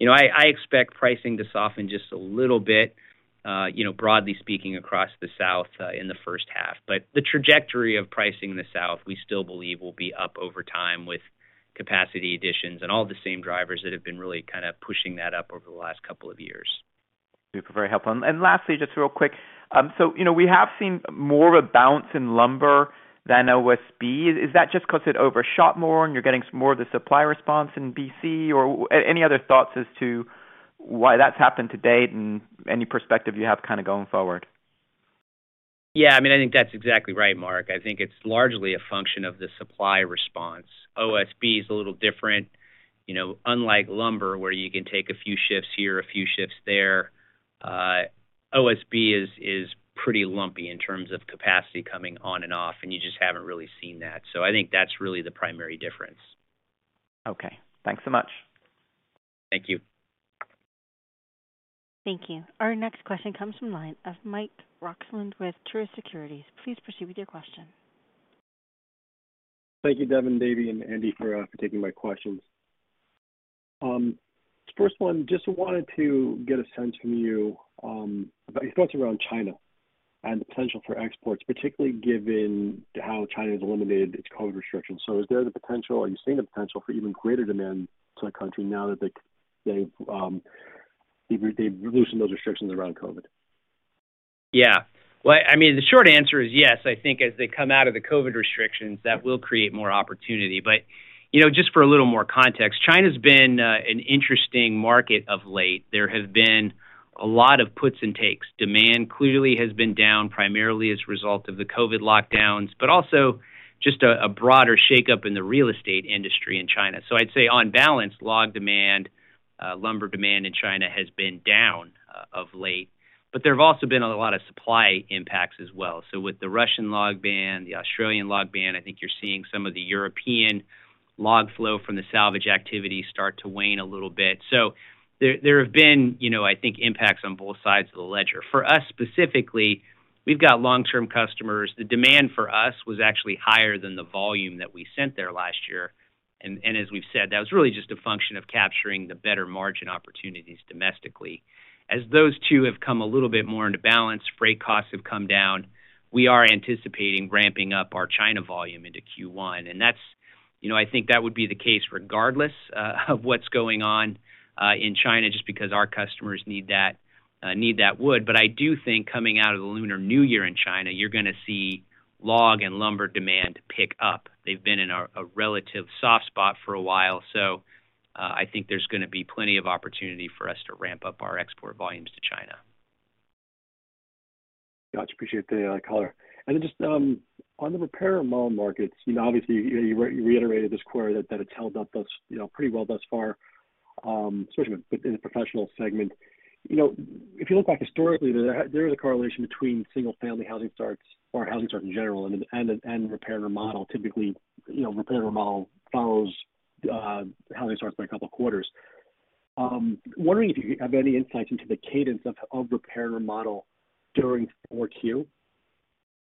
You know, I expect pricing to soften just a little bit, you know, broadly speaking, across the South in the first half. The trajectory of pricing in the South, we still believe will be up over time with capacity additions and all the same drivers that have been really kind of pushing that up over the last couple of years. Very helpful. Lastly, just real quick. You know, we have seen more of a bounce in lumber than OSB. Is that just 'cause it overshot more and you're getting more of the supply response in BC, or any other thoughts as to why that's happened to date and any perspective you have kinda going forward? I mean, I think that's exactly right, Mark. I think it's largely a function of the supply response. OSB is a little different. You know, unlike lumber, where you can take a few shifts here, a few shifts there, OSB is pretty lumpy in terms of capacity coming on and off, and you just haven't really seen that. I think that's really the primary difference. Okay. Thanks so much. Thank you. Thank you. Our next question comes from line of Mike Roxland with Truist Securities. Please proceed with your question. Thank you, Devin Stockfish, Davie Wold, and Andy Taylor for taking my questions. First one, just wanted to get a sense from you about your thoughts around China and the potential for exports, particularly given how China has eliminated its COVID restrictions. Is there the potential, are you seeing the potential for even greater demand to the country now that they've loosened those restrictions around COVID? Well, I mean, the short answer is yes. I think as they come out of the COVID restrictions, that will create more opportunity. You know, just for a little more context, China's been an interesting market of late. There have been a lot of puts and takes. Demand clearly has been down primarily as a result of the COVID lockdowns, but also just a broader shakeup in the real estate industry in China. I'd say on balance, log demand, lumber demand in China has been down of late, but there have also been a lot of supply impacts as well. With the Russian log ban, the Australian log ban, I think you're seeing some of the European log flow from the salvage activity start to wane a little bit. There have been, you know, I think, impacts on both sides of the ledger. For us, specifically, we've got long-term customers. The demand for us was actually higher than the volume that we sent there last year. As we've said, that was really just a function of capturing the better margin opportunities domestically. As those two have come a little bit more into balance, freight costs have come down, we are anticipating ramping up our China volume into Q1. That's, you know, I think that would be the case regardless of what's going on in China, just because our customers need that, need that wood. I do think coming out of the Lunar New Year in China, you're gonna see log and lumber demand pick up. They've been in a relative soft spot for a while, so, I think there's gonna be plenty of opportunity for us to ramp up our export volumes to China. Got you. Appreciate the color. Just on the repair model markets, you know, obviously you reiterated this quarter that it's held up thus, you know, pretty well thus far, especially in the professional segment. You know, if you look back historically, there is a correlation between single-family housing starts or housing starts in general and repair and remodel. Typically, you know, repair and remodel follows housing starts by a couple quarters. Wondering if you have any insights into the cadence of repair and remodel during 4Q?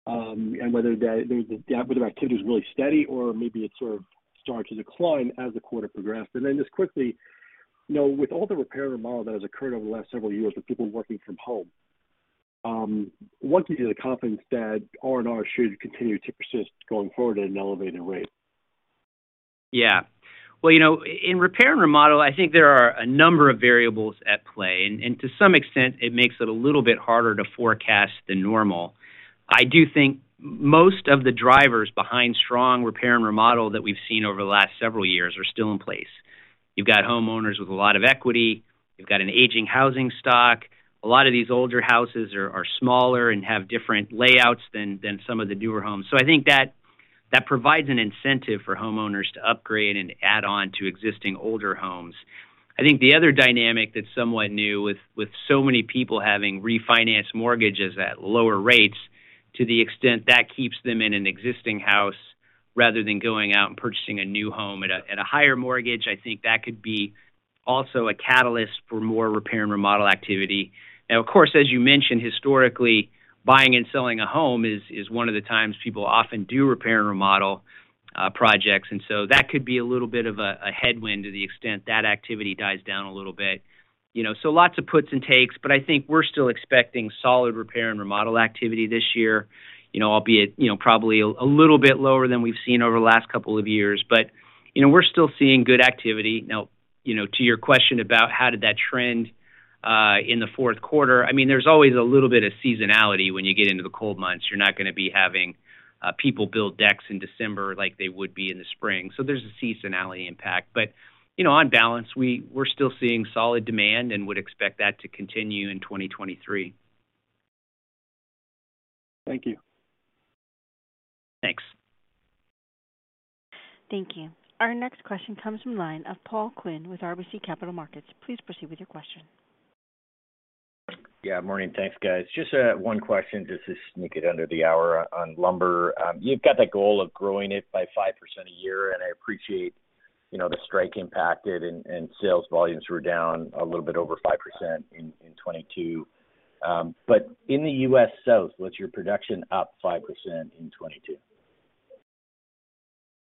Whether the activity is really steady or maybe it sort of starts to decline as the quarter progressed. Just quickly, you know, with all the repair and remodel that has occurred over the last several years with people working from home, what gives you the confidence that R&R should continue to persist going forward at an elevated rate? Well, you know, in repair and remodel, I think there are a number of variables at play. To some extent, it makes it a little bit harder to forecast than normal. I do think most of the drivers behind strong repair and remodel that we've seen over the last several years are still in place. You've got homeowners with a lot of equity. You've got an aging housing stock. A lot of these older houses are smaller and have different layouts than some of the newer homes. I think that provides an incentive for homeowners to upgrade and add on to existing older homes. I think the other dynamic that's somewhat new with so many people having refinanced mortgages at lower rates, to the extent that keeps them in an existing house rather than going out and purchasing a new home at a higher mortgage, I think that could be also a catalyst for more repair and remodel activity. Of course, as you mentioned, historically, buying and selling a home is one of the times people often do repair and remodel projects, and so that could be a little bit of a headwind to the extent that activity dies down a little bit. You know, lots of puts and takes, but I think we're still expecting solid repair and remodel activity this year. You know, albeit, you know, probably a little bit lower than we've seen over the last couple of years. You know, we're still seeing good activity. You know, to your question about how did that trend in the fourth quarter, I mean, there's always a little bit of seasonality when you get into the cold months. You're not gonna be having people build decks in December like they would be in the spring. There's a seasonality impact. You know, on balance, we're still seeing solid demand and would expect that to continue in 2023. Thank you. Thanks. Thank you. Our next question comes from line of Paul Quinn with RBC Capital Markets. Please proceed with your question. Yeah, morning. Thanks, guys. Just 1 question just to sneak it under the hour on lumber. You've got that goal of growing it by 5% a year, I appreciate, you know, the strike impacted and sales volumes were down a little bit over 5% in 2022. In the U.S. South, was your production up 5% in 2022?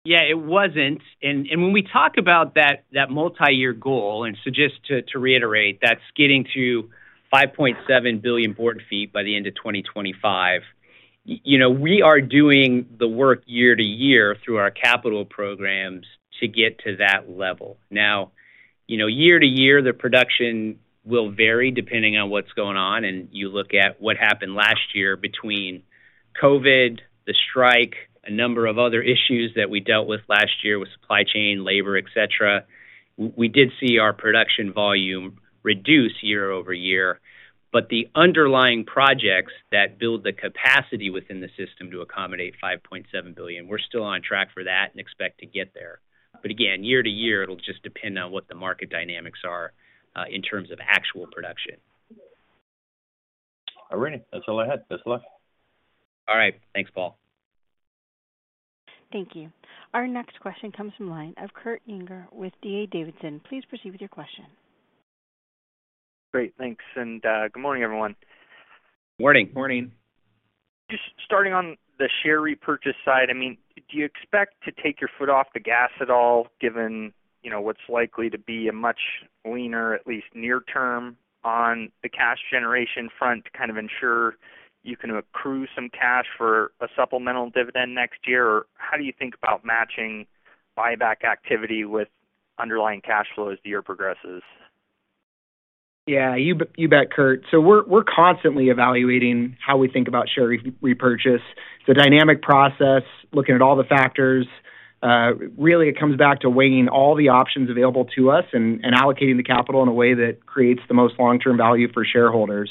Yeah, it wasn't. When we talk about that multi-year goal, just to reiterate, that's getting to 5.7 billion board feet by the end of 2025. You know, we are doing the work year-to-year through our capital programs to get to that level. Now, you know, year-to-year, the production will vary depending on what's going on, and you look at what happened last year between COVID, the strike, a number of other issues that we dealt with last year with supply chain, labor, et cetera. We did see our production volume reduce year-over-year. The underlying projects that build the capacity within the system to accommodate 5.7 billion, we're still on track for that and expect to get there. Again, year to year, it'll just depend on what the market dynamics are, in terms of actual production. All righty. That's all I had. Best of luck. All right. Thanks, Paul. Thank you. Our next question comes from line of Kurt Yinger with D.A. Davidson. Please proceed with your question. Great. Thanks. Good morning, everyone. Morning. Morning. Just starting on the share repurchase side, I mean, do you expect to take your foot off the gas at all given, you know, what's likely to be a much leaner, at least near term, on the cash generation front to kind of ensure you can accrue some cash for a supplemental dividend next year? Or how do you think about matching buyback activity with underlying cash flow as the year progresses? Yeah, you bet, Kurt. We're constantly evaluating how we think about share repurchase. It's a dynamic process, looking at all the factors. Really it comes back to weighing all the options available to us and allocating the capital in a way that creates the most long-term value for shareholders.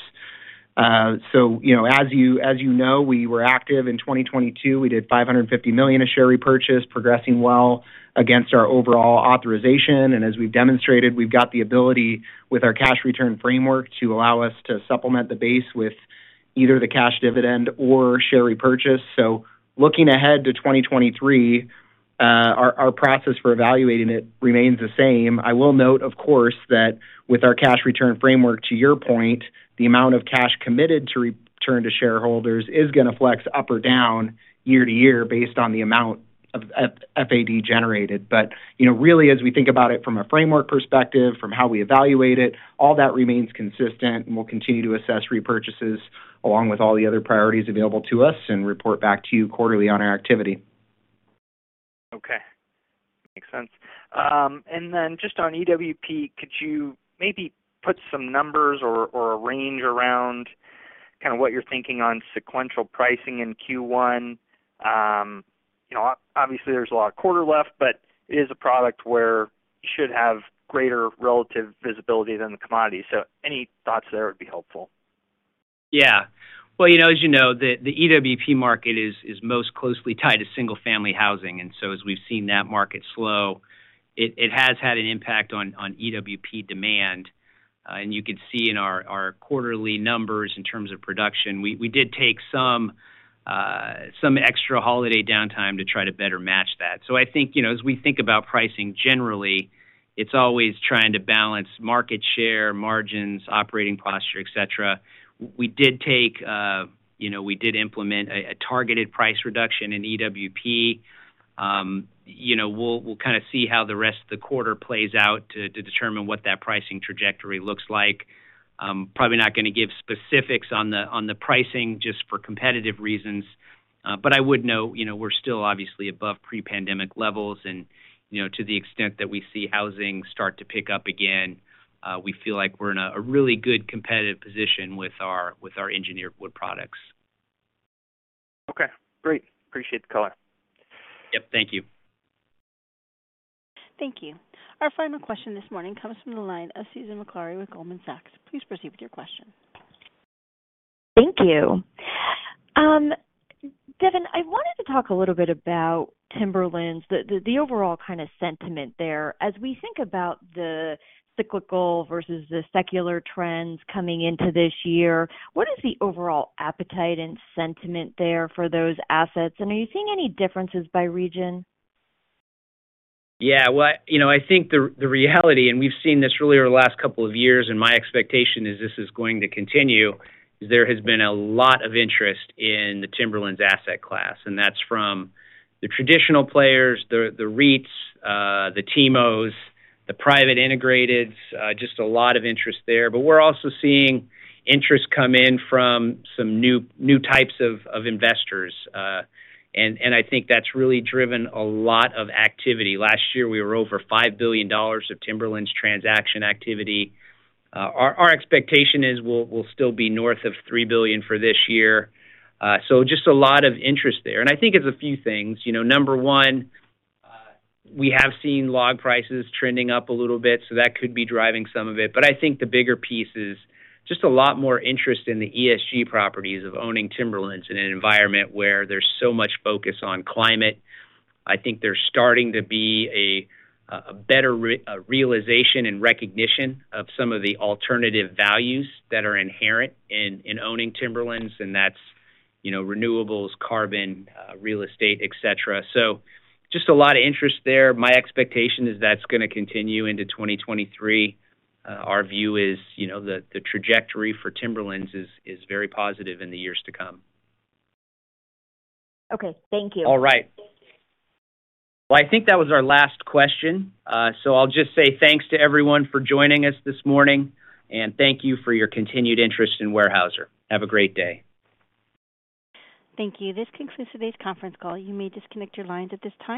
You know, as you know, we were active in 2022. We did $550 million of share repurchase, progressing well against our overall authorization. As we've demonstrated, we've got the ability with our cash return framework to allow us to supplement the base with either the cash dividend or share repurchase. Looking ahead to 2023, our process for evaluating it remains the same. I will note, of course, that with our cash return framework, to your point, the amount of cash committed to return to shareholders is gonna flex up or down year to year based on the amount of F-FAD generated. You know, really as we think about it from a framework perspective, from how we evaluate it, all that remains consistent, and we'll continue to assess repurchases along with all the other priorities available to us and report back to you quarterly on our activity. Okay. Makes sense. And then just on EWP, could you maybe put some numbers or a range around kinda what you're thinking on sequential pricing in Q1? You know, obviously there's a lot of quarter left, but it is a product where you should have greater relative visibility than the commodity. Any thoughts there would be helpful. Well, you know, as you know, the EWP market is most closely tied to single-family housing. As we've seen that market slow, it has had an impact on EWP demand. And you can see in our quarterly numbers in terms of production, we did take some extra holiday downtime to try to better match that. I think, you know, as we think about pricing generally, it's always trying to balance market share, margins, operating posture, et cetera. We did take, you know, we did implement a targeted price reduction in EWP. You know, we'll kind of see how the rest of the quarter plays out to determine what that pricing trajectory looks like. Probably not gonna give specifics on the pricing just for competitive reasons. I would note, you know, we're still obviously above pre-pandemic levels and, you know, to the extent that we see housing start to pick up again, we feel like we're in a really good competitive position with our engineered wood products. Okay. Great. Appreciate the color. Yep. Thank you. Thank you. Our final question this morning comes from the line of Susan Maklari with Goldman Sachs. Please proceed with your question. Thank you. Devin, I wanted to talk a little bit about timberlands, the overall kind of sentiment there. As we think about the cyclical versus the secular trends coming into this year, what is the overall appetite and sentiment there for those assets, and are you seeing any differences by region? Yeah. Well, you know, I think the reality, we've seen this really over the last couple of years, my expectation is this is going to continue, is there has been a lot of interest in the timberlands asset class, and that's from the traditional players, the REITs, the TIMOs, the private integrateds, just a lot of interest there. We're also seeing interest come in from some new types of investors. I think that's really driven a lot of activity. Last year, we were over $5 billion of timberlands transaction activity. Our expectation is we'll still be north of $3 billion for this year. Just a lot of interest there, and I think it's a few things. You know, number one, we have seen log prices trending up a little bit. That could be driving some of it. I think the bigger piece is just a lot more interest in the ESG properties of owning timberlands in an environment where there's so much focus on climate. I think there's starting to be a better realization and recognition of some of the alternative values that are inherent in owning timberlands. That's, you know, renewables, carbon, real estate, et cetera. Just a lot of interest there. My expectation is that's gonna continue into 2023. Our view is, you know, the trajectory for timberlands is very positive in the years to come. Okay. Thank you. All right. Well, I think that was our last question. I'll just say thanks to everyone for joining us this morning, and thank you for your continued interest in Weyerhaeuser. Have a great day. Thank you. This concludes today's conference call. You may disconnect your lines at this time.